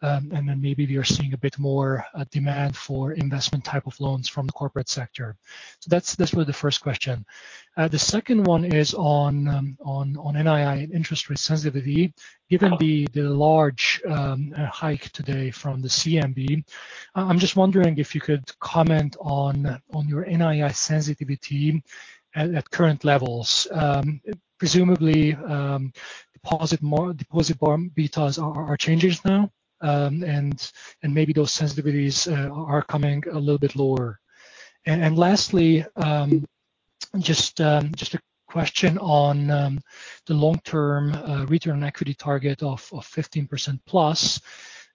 and then maybe we are seeing a bit more demand for investment type of loans from the corporate sector. So that's really the first question. The second one is on NII interest rate sensitivity. Given the large hike today from the CNB, I'm just wondering if you could comment on your NII sensitivity at current levels. Presumably, deposit betas are changing now, and maybe those sensitivities are coming a little bit lower. Lastly, just a question on the long-term return on equity target of 15%+.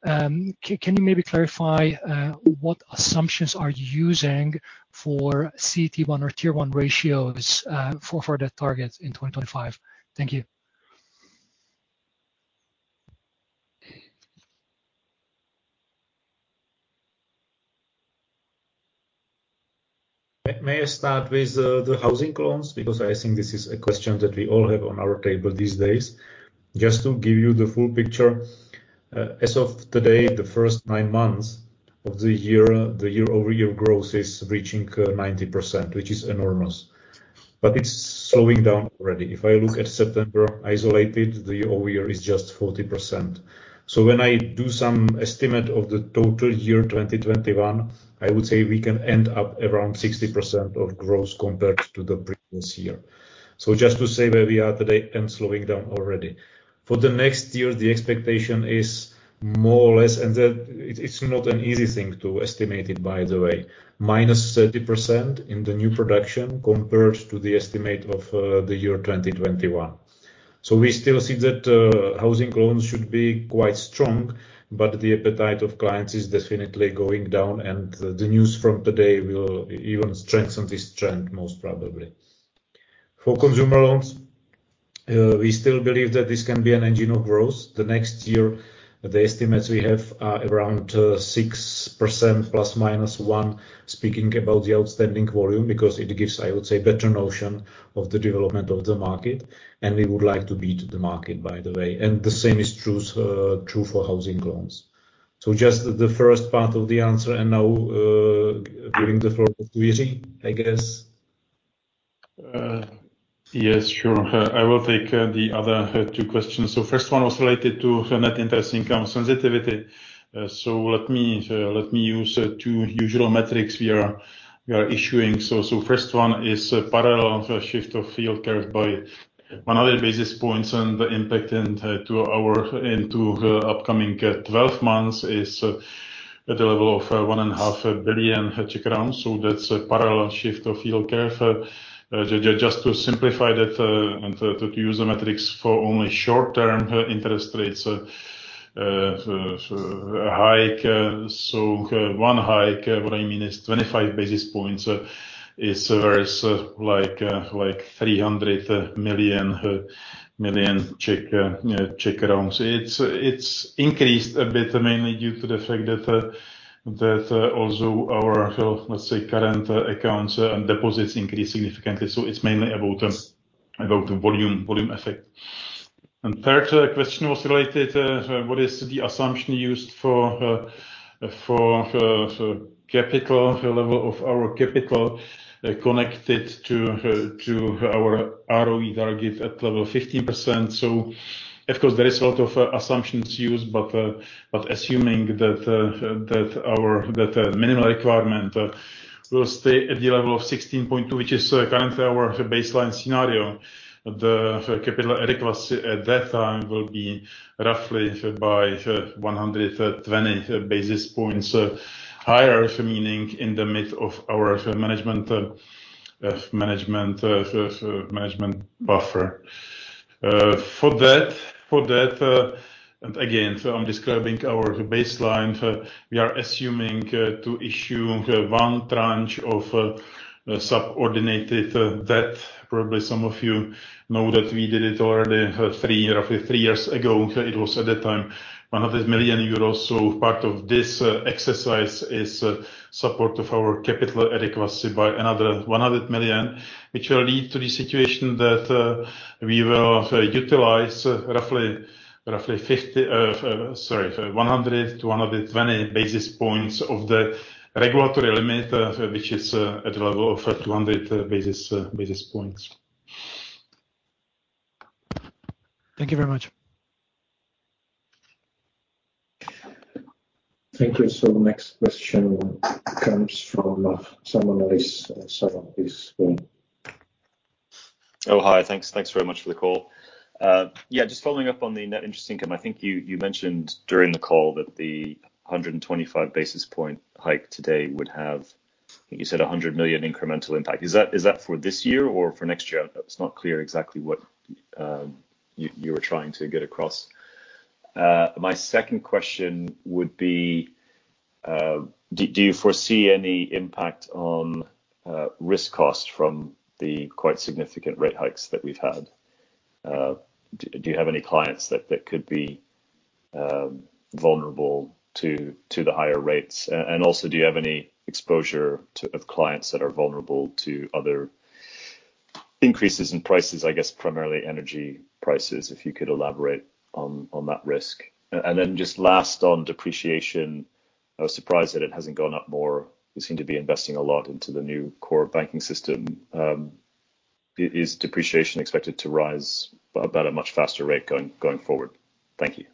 Can you maybe clarify what assumptions are you using for CET1 or Tier 1 ratios for that target in 2025? Thank you. May I start with the housing loans? Because I think this is a question that we all have on our table these days. Just to give you the full picture, as of today, the first nine months of the year, the year-over-year growth is reaching 90%, which is enormous, but it's slowing down already. If I look at September isolated, the year-over-year is just 40%. When I do some estimate of the total year 2021, I would say we can end up around 60% growth compared to the previous year. Just to say where we are today and slowing down already. For the next year, the expectation is more or less, and that it's not an easy thing to estimate it, by the way, -30% in the new production compared to the estimate of the year 2021. We still see that housing loans should be quite strong, but the appetite of clients is definitely going down, and the news from today will even strengthen this trend, most probably. For consumer loans, we still believe that this can be an engine of growth. The next year, the estimates we have are around 6% ±1, speaking about the outstanding volume, because it gives, I would say, better notion of the development of the market, and we would like to beat the market, by the way. The same is true for housing loans. Just the first part of the answer, and now giving the floor to Jiří, I guess. Yes, sure. I will take the other two questions. First one was related to net interest income sensitivity. Let me use two usual metrics we are issuing. First one is parallel shift of yield curve by 100 basis points and the impact into the upcoming 12 months is at the level of 1.5 billion crowns. That's a parallel shift of yield curve. Just to simplify that, and to use the metrics for only short-term interest rates hike. One hike, what I mean is 25 basis points is worth like 300 million. It's increased a bit, mainly due to the fact that also our, let's say, current accounts and deposits increased significantly. It's mainly about volume effect. Third question was related, what is the assumption used for capital level of our capital connected to our ROE target at level 15%. Of course, there is a lot of assumptions used, but assuming that our minimum requirement will stay at the level of 16.2, which is currently our baseline scenario, the capital adequacy at that time will be roughly by 120 basis points higher, meaning in the mid of our management buffer. For that, and again, I'm describing our baseline, we are assuming to issue one tranche of subordinated debt. Probably some of you know that we did it already roughly three years ago. It was at that time 100 million euros. Part of this exercise is support of our capital adequacy by another 100 million, which will lead to the situation that we will utilize roughly 100 basis points-120 basis points of the regulatory limit, which is at level of 200 basis points. Thank you very much. Thank you. Next question comes from Mehmet Sevim. Hi. Thanks. Thanks very much for the call. Just following up on the net interest income. I think you mentioned during the call that the 125 basis point hike today would have, you said a 100 million incremental impact. Is that for this year or for next year? It's not clear exactly what you were trying to get across. My second question would be, do you foresee any impact on risk cost from the quite significant rate hikes that we've had? Do you have any clients that could be vulnerable to the higher rates? Also do you have any exposure to clients that are vulnerable to other increases in prices, I guess primarily energy prices, if you could elaborate on that risk. Then just last on depreciation, I was surprised that it hasn't gone up more. You seem to be investing a lot into the new core banking system. Is depreciation expected to rise at a much faster rate going forward? Thank you.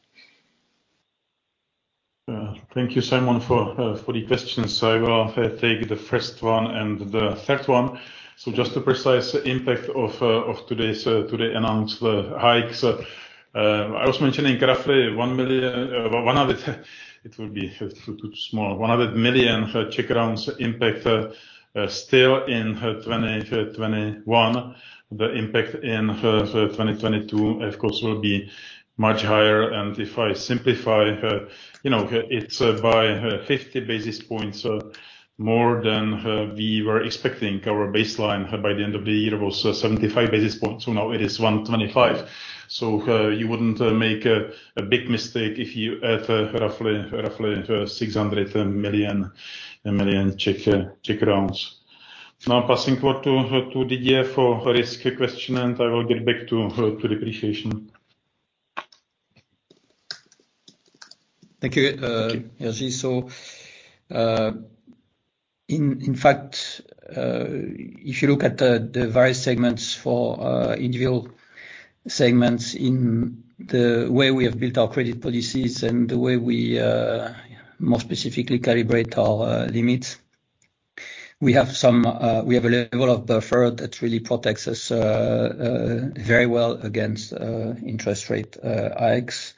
Thank you, Sevim, for the questions. I will take the first one and the third one. Just to be precise, impact of today's announced hikes. I was mentioning roughly 1 million. 100. It will be too small. 100 million impact still in 2021. The impact in 2022, of course, will be much higher. If I simplify, you know, it's by 50 basis points more than we were expecting. Our baseline by the end of the year was 75 basis points. Now it is 125. You wouldn't make a big mistake if you add roughly 600 million. Passing word to Didier for risk question, and I will get back to depreciation. Thank you, Jiří Šperl. In fact, if you look at the various segments for individual segments in the way we have built our credit policies and the way we more specifically calibrate our limits, we have a level of buffer that really protects us very well against interest rate hikes.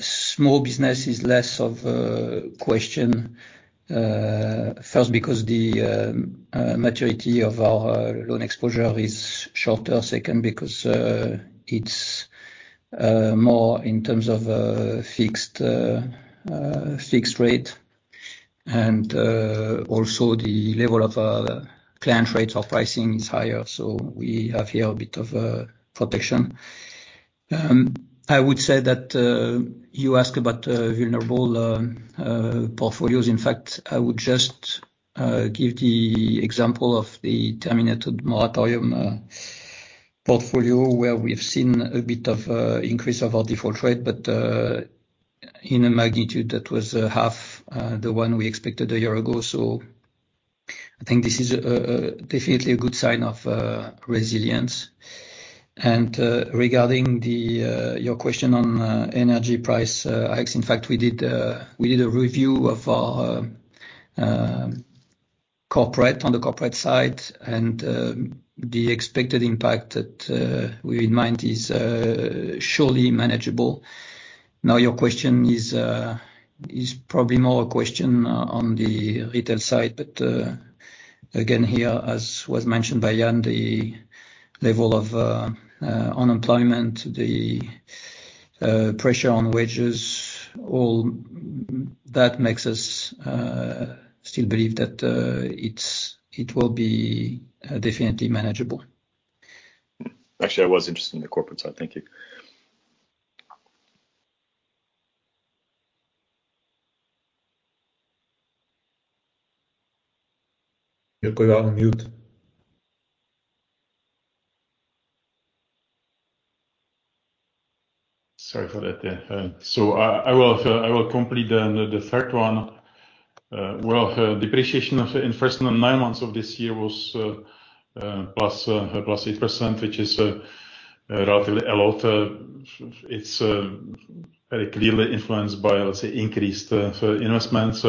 Small business is less of a question first because the maturity of our loan exposure is shorter. Second, because it's more in terms of fixed rate. Also the level of client rates or pricing is higher. We have here a bit of protection. I would say that you ask about vulnerable portfolios. In fact, I would just give the example of the terminated moratorium portfolio where we've seen a bit of increase of our default rate. In a magnitude that was half the one we expected a year ago. I think this is definitely a good sign of resilience. Regarding your question on energy price hikes, in fact, we did a review of our corporate on the corporate side. The expected impact that we remind is surely manageable. Now, your question is probably more a question on the retail side, but again, here, as was mentioned by Jan, the level of unemployment, the pressure on wages, all that makes us still believe that it will be definitely manageable. Actually, I was interested in the corporate side. Thank you. I will complete then the third one. Well, depreciation of investment nine months of this year was +8%, which is relatively a lot. It's very clearly influenced by, let's say, increased investments.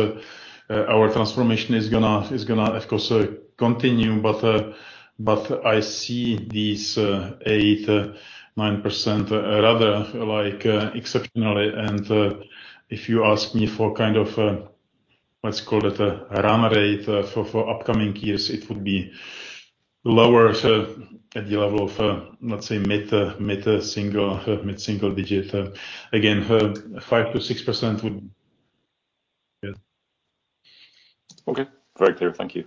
Our transformation is gonna continue, of course. I see these 8%-9% rather like exceptionally. If you ask me for kind of, let's call it a run rate for upcoming years, it would be lower at the level of, let's say mid single digit. Again, 5%-6% would. Yeah. Okay. Very clear. Thank you.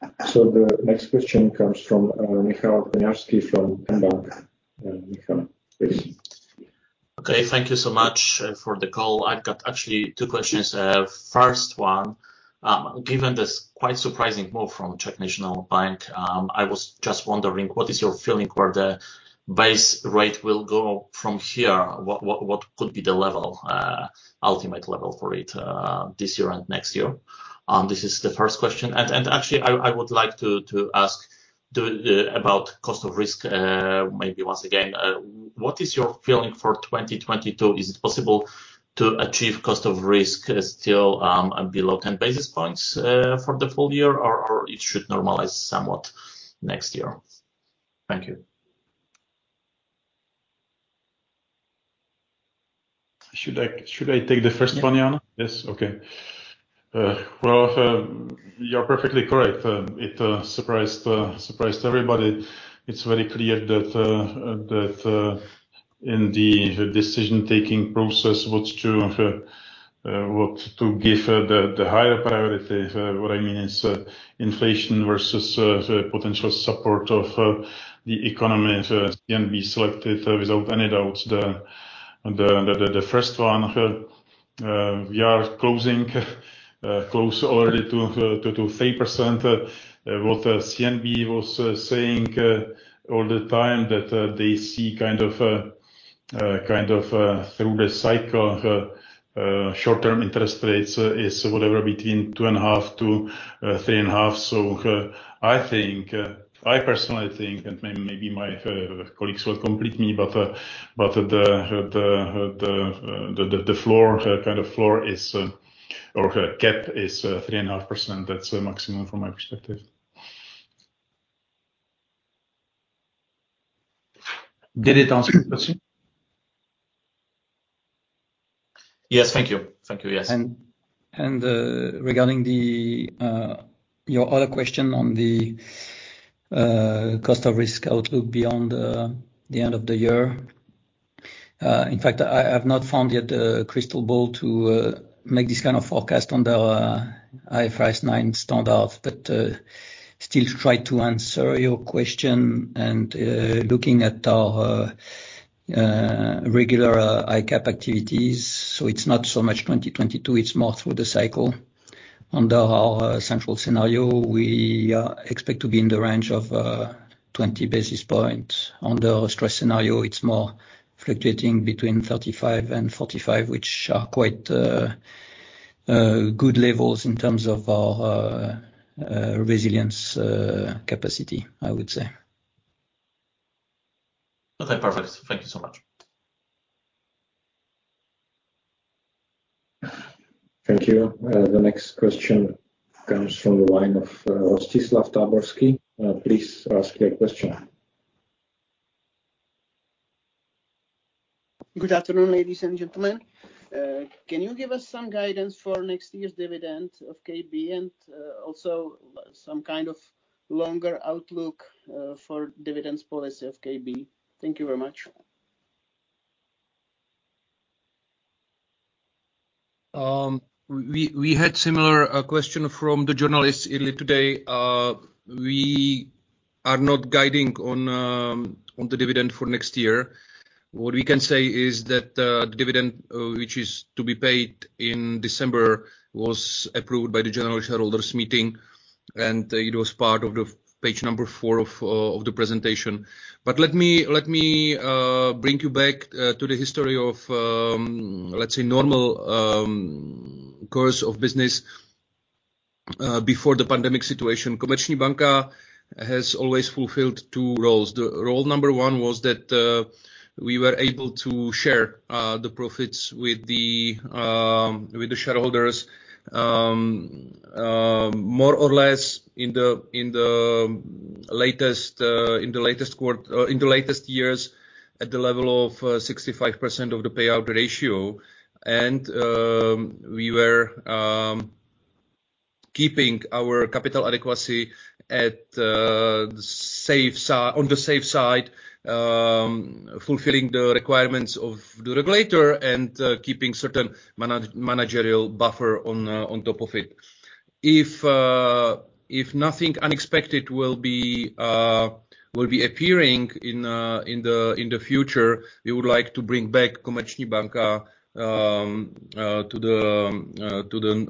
The next question comes from Michal Broniarski from mBank. Michal, please. Okay. Thank you so much for the call. I've got actually two questions. First one, given this quite surprising move from Czech National Bank, I was just wondering what is your feeling where the base rate will go from here? What could be the level, ultimate level for it, this year and next year? This is the first question. Actually I would like to ask about cost of risk, maybe once again. What is your feeling for 2022? Is it possible to achieve cost of risk still below 10 basis points for the full year or it should normalize somewhat next year? Thank you. Should I take the first one, Jan? Yeah. Yes? Okay. Well, you're perfectly correct. It surprised everybody. It's very clear that in the decision-making process, what to give the higher priority. What I mean is inflation versus potential support of the economy. Again, we selected without any doubt the first one. We are close already to 3%. What CNB was saying all the time that they see kind of through the cycle short-term interest rates is whatever between 2.5 and 3.5. So I think, I personally think, and maybe my colleagues will complete me, but the floor, kind of floor is, or cap is 3.5%. That's maximum from my perspective. Did it answer your question? Yes. Thank you. Yes. Regarding your other question on the cost of risk outlook beyond the end of the year. In fact, I have not found yet a crystal ball to make this kind of forecast on the IFRS 9 standard. Still try to answer your question and looking at our regular ICAAP activities. It's not so much 2022, it's more through the cycle. Under our central scenario, we expect to be in the range of 20 basis points. On the stress scenario, it's more fluctuating between 35 basis points-45 basis points, which are quite good levels in terms of our resilience capacity, I would say. Okay, perfect. Thank you so much. Thank you. The next question comes from the line of Rostislav Táborský. Please ask your question. Good afternoon, ladies and gentlemen. Can you give us some guidance for next year's dividend of KB and also some kind of longer outlook for dividends policy of KB? Thank you very much. We had a similar question from the journalists earlier today. We are not guiding on the dividend for next year. What we can say is that the dividend which is to be paid in December was approved by the general shareholders meeting, and it was part of page number four of the presentation. Let me bring you back to the history of, let's say, normal course of business before the pandemic situation. Komerční banka has always fulfilled two roles. The role number one was that we were able to share the profits with the shareholders more or less in the latest years at the level of 65% of the payout ratio. We were keeping our capital adequacy on the safe side, fulfilling the requirements of the regulator and keeping certain managerial buffer on top of it. If nothing unexpected will be appearing in the future, we would like to bring back Komerční banka to the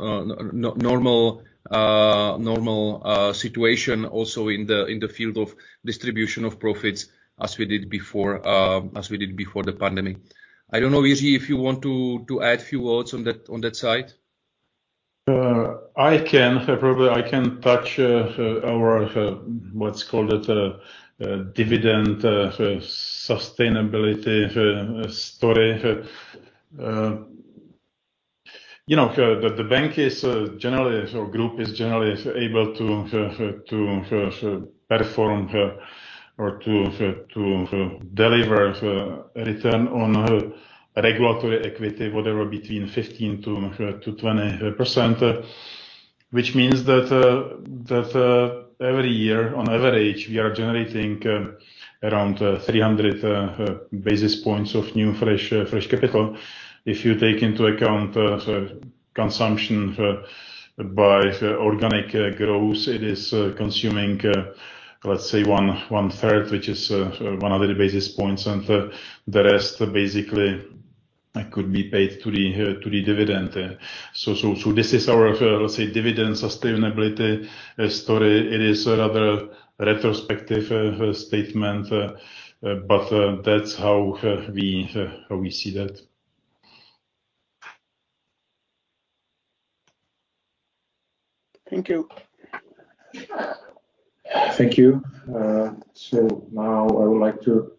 normal situation also in the field of distribution of profits as we did before the pandemic. I don't know, Jiří, if you want to add a few words on that side. I can. Probably I can touch our dividend sustainability story. You know, the bank is generally, or group is generally able to perform or deliver return on regulatory equity, whatever between 15%-20%, which means that every year on average, we are generating around 300 basis points of new fresh capital. If you take into account the consumption by organic growth, it is consuming, let's say, 1/3, which is 100 basis points, and the rest basically could be paid to the dividend. This is our dividend sustainability story. It is rather retrospective statement, but that's how we see that. Thank you. Thank you. Now I would like to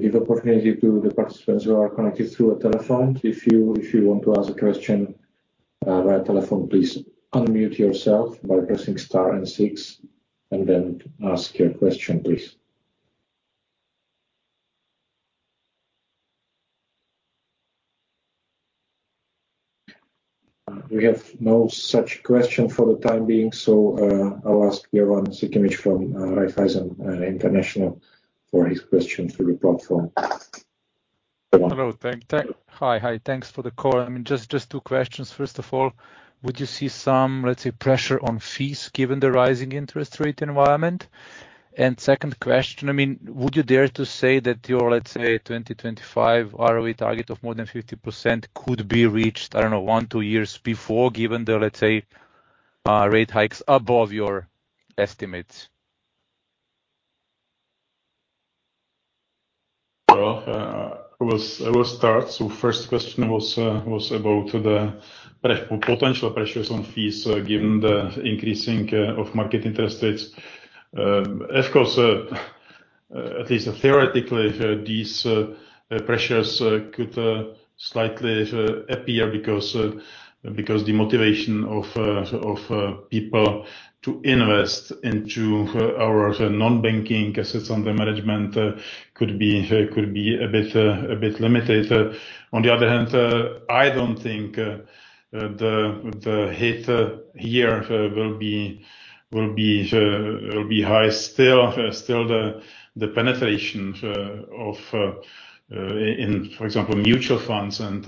give opportunity to the participants who are connected through a telephone. If you want to ask a question via telephone, please unmute yourself by pressing star and six and then ask your question, please. We have no such question for the time being. I'll ask Jovan Sikimic from Raiffeisen International for his question through the platform. Hello. Hi. Thanks for the call. I mean, just two questions. First of all, would you see some, let's say, pressure on fees given the rising interest rate environment? Second question, I mean, would you dare to say that your, let's say, 2025 ROE target of more than 50% could be reached, I don't know, 1-2 years before, given the, let's say, rate hikes above your estimates? I will start. First question was about the potential pressures on fees given the increasing of market interest rates. Of course, at least theoretically, these pressures could slightly appear because the motivation of people to invest into our non-banking assets under management could be a bit limited. On the other hand, I don't think the hit here will be high still. Still the penetration of, in, for example, mutual funds and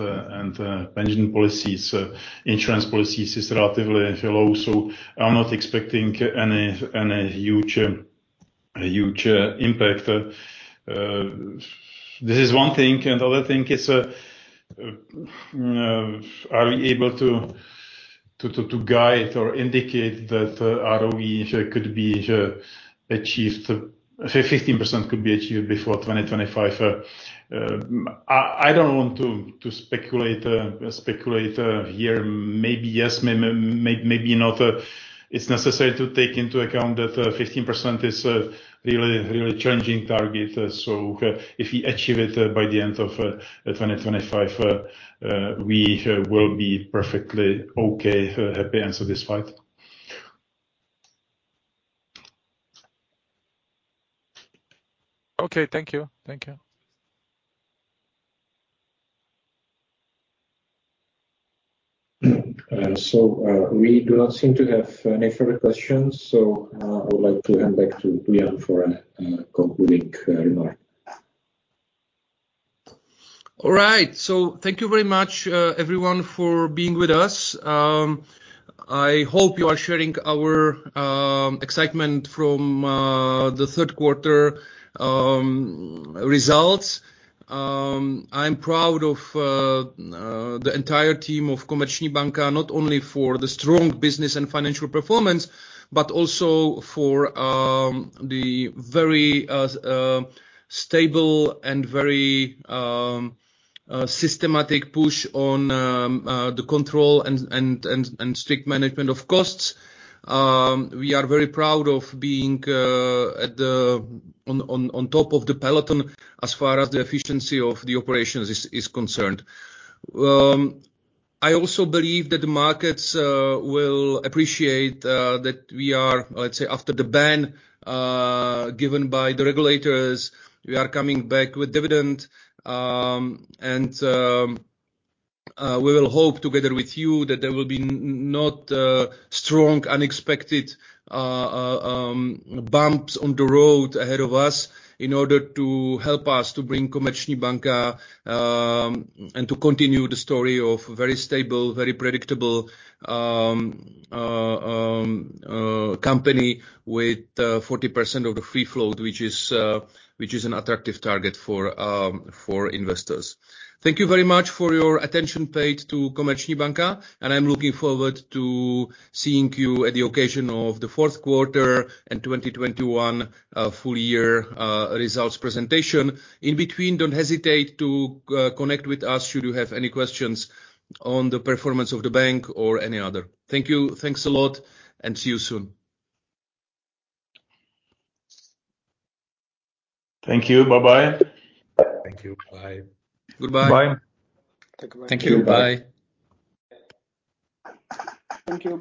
pension policies, insurance policies is relatively low. I'm not expecting any huge impact. This is one thing, and the other thing is, are we able to guide or indicate that ROE could be achieved, 15% could be achieved before 2025? I don't want to speculate here. Maybe yes, maybe not. It's necessary to take into account that 15% is a really challenging target. If we achieve it by the end of 2025, we will be perfectly okay, happy, and satisfied. Okay. Thank you. Thank you. We do not seem to have any further questions, so I would like to hand back to Jan for a concluding remark. All right. Thank you very much, everyone, for being with us. I hope you are sharing our excitement from the third quarter results. I'm proud of the entire team of Komerční banka, not only for the strong business and financial performance, but also for the very stable and very systematic push on the control and strict management of costs. We are very proud of being on top of the peloton as far as the efficiency of the operations is concerned. I also believe that the markets will appreciate that we are, let's say, after the ban given by the regulators, we are coming back with dividend. We will hope together with you that there will be no strong, unexpected bumps on the road ahead of us in order to help us to bring Komerční banka and to continue the story of very stable, very predictable company with 40% of the free float, which is an attractive target for investors. Thank you very much for your attention paid to Komerční banka, and I'm looking forward to seeing you at the occasion of the fourth quarter and 2021 full year results presentation. In between, don't hesitate to connect with us should you have any questions on the performance of the bank or any other. Thank you. Thanks a lot, and see you soon. Thank you. Bye-bye. Thank you. Bye. Goodbye. Bye. Thank you. Bye. Thank you. Bye. Thank you.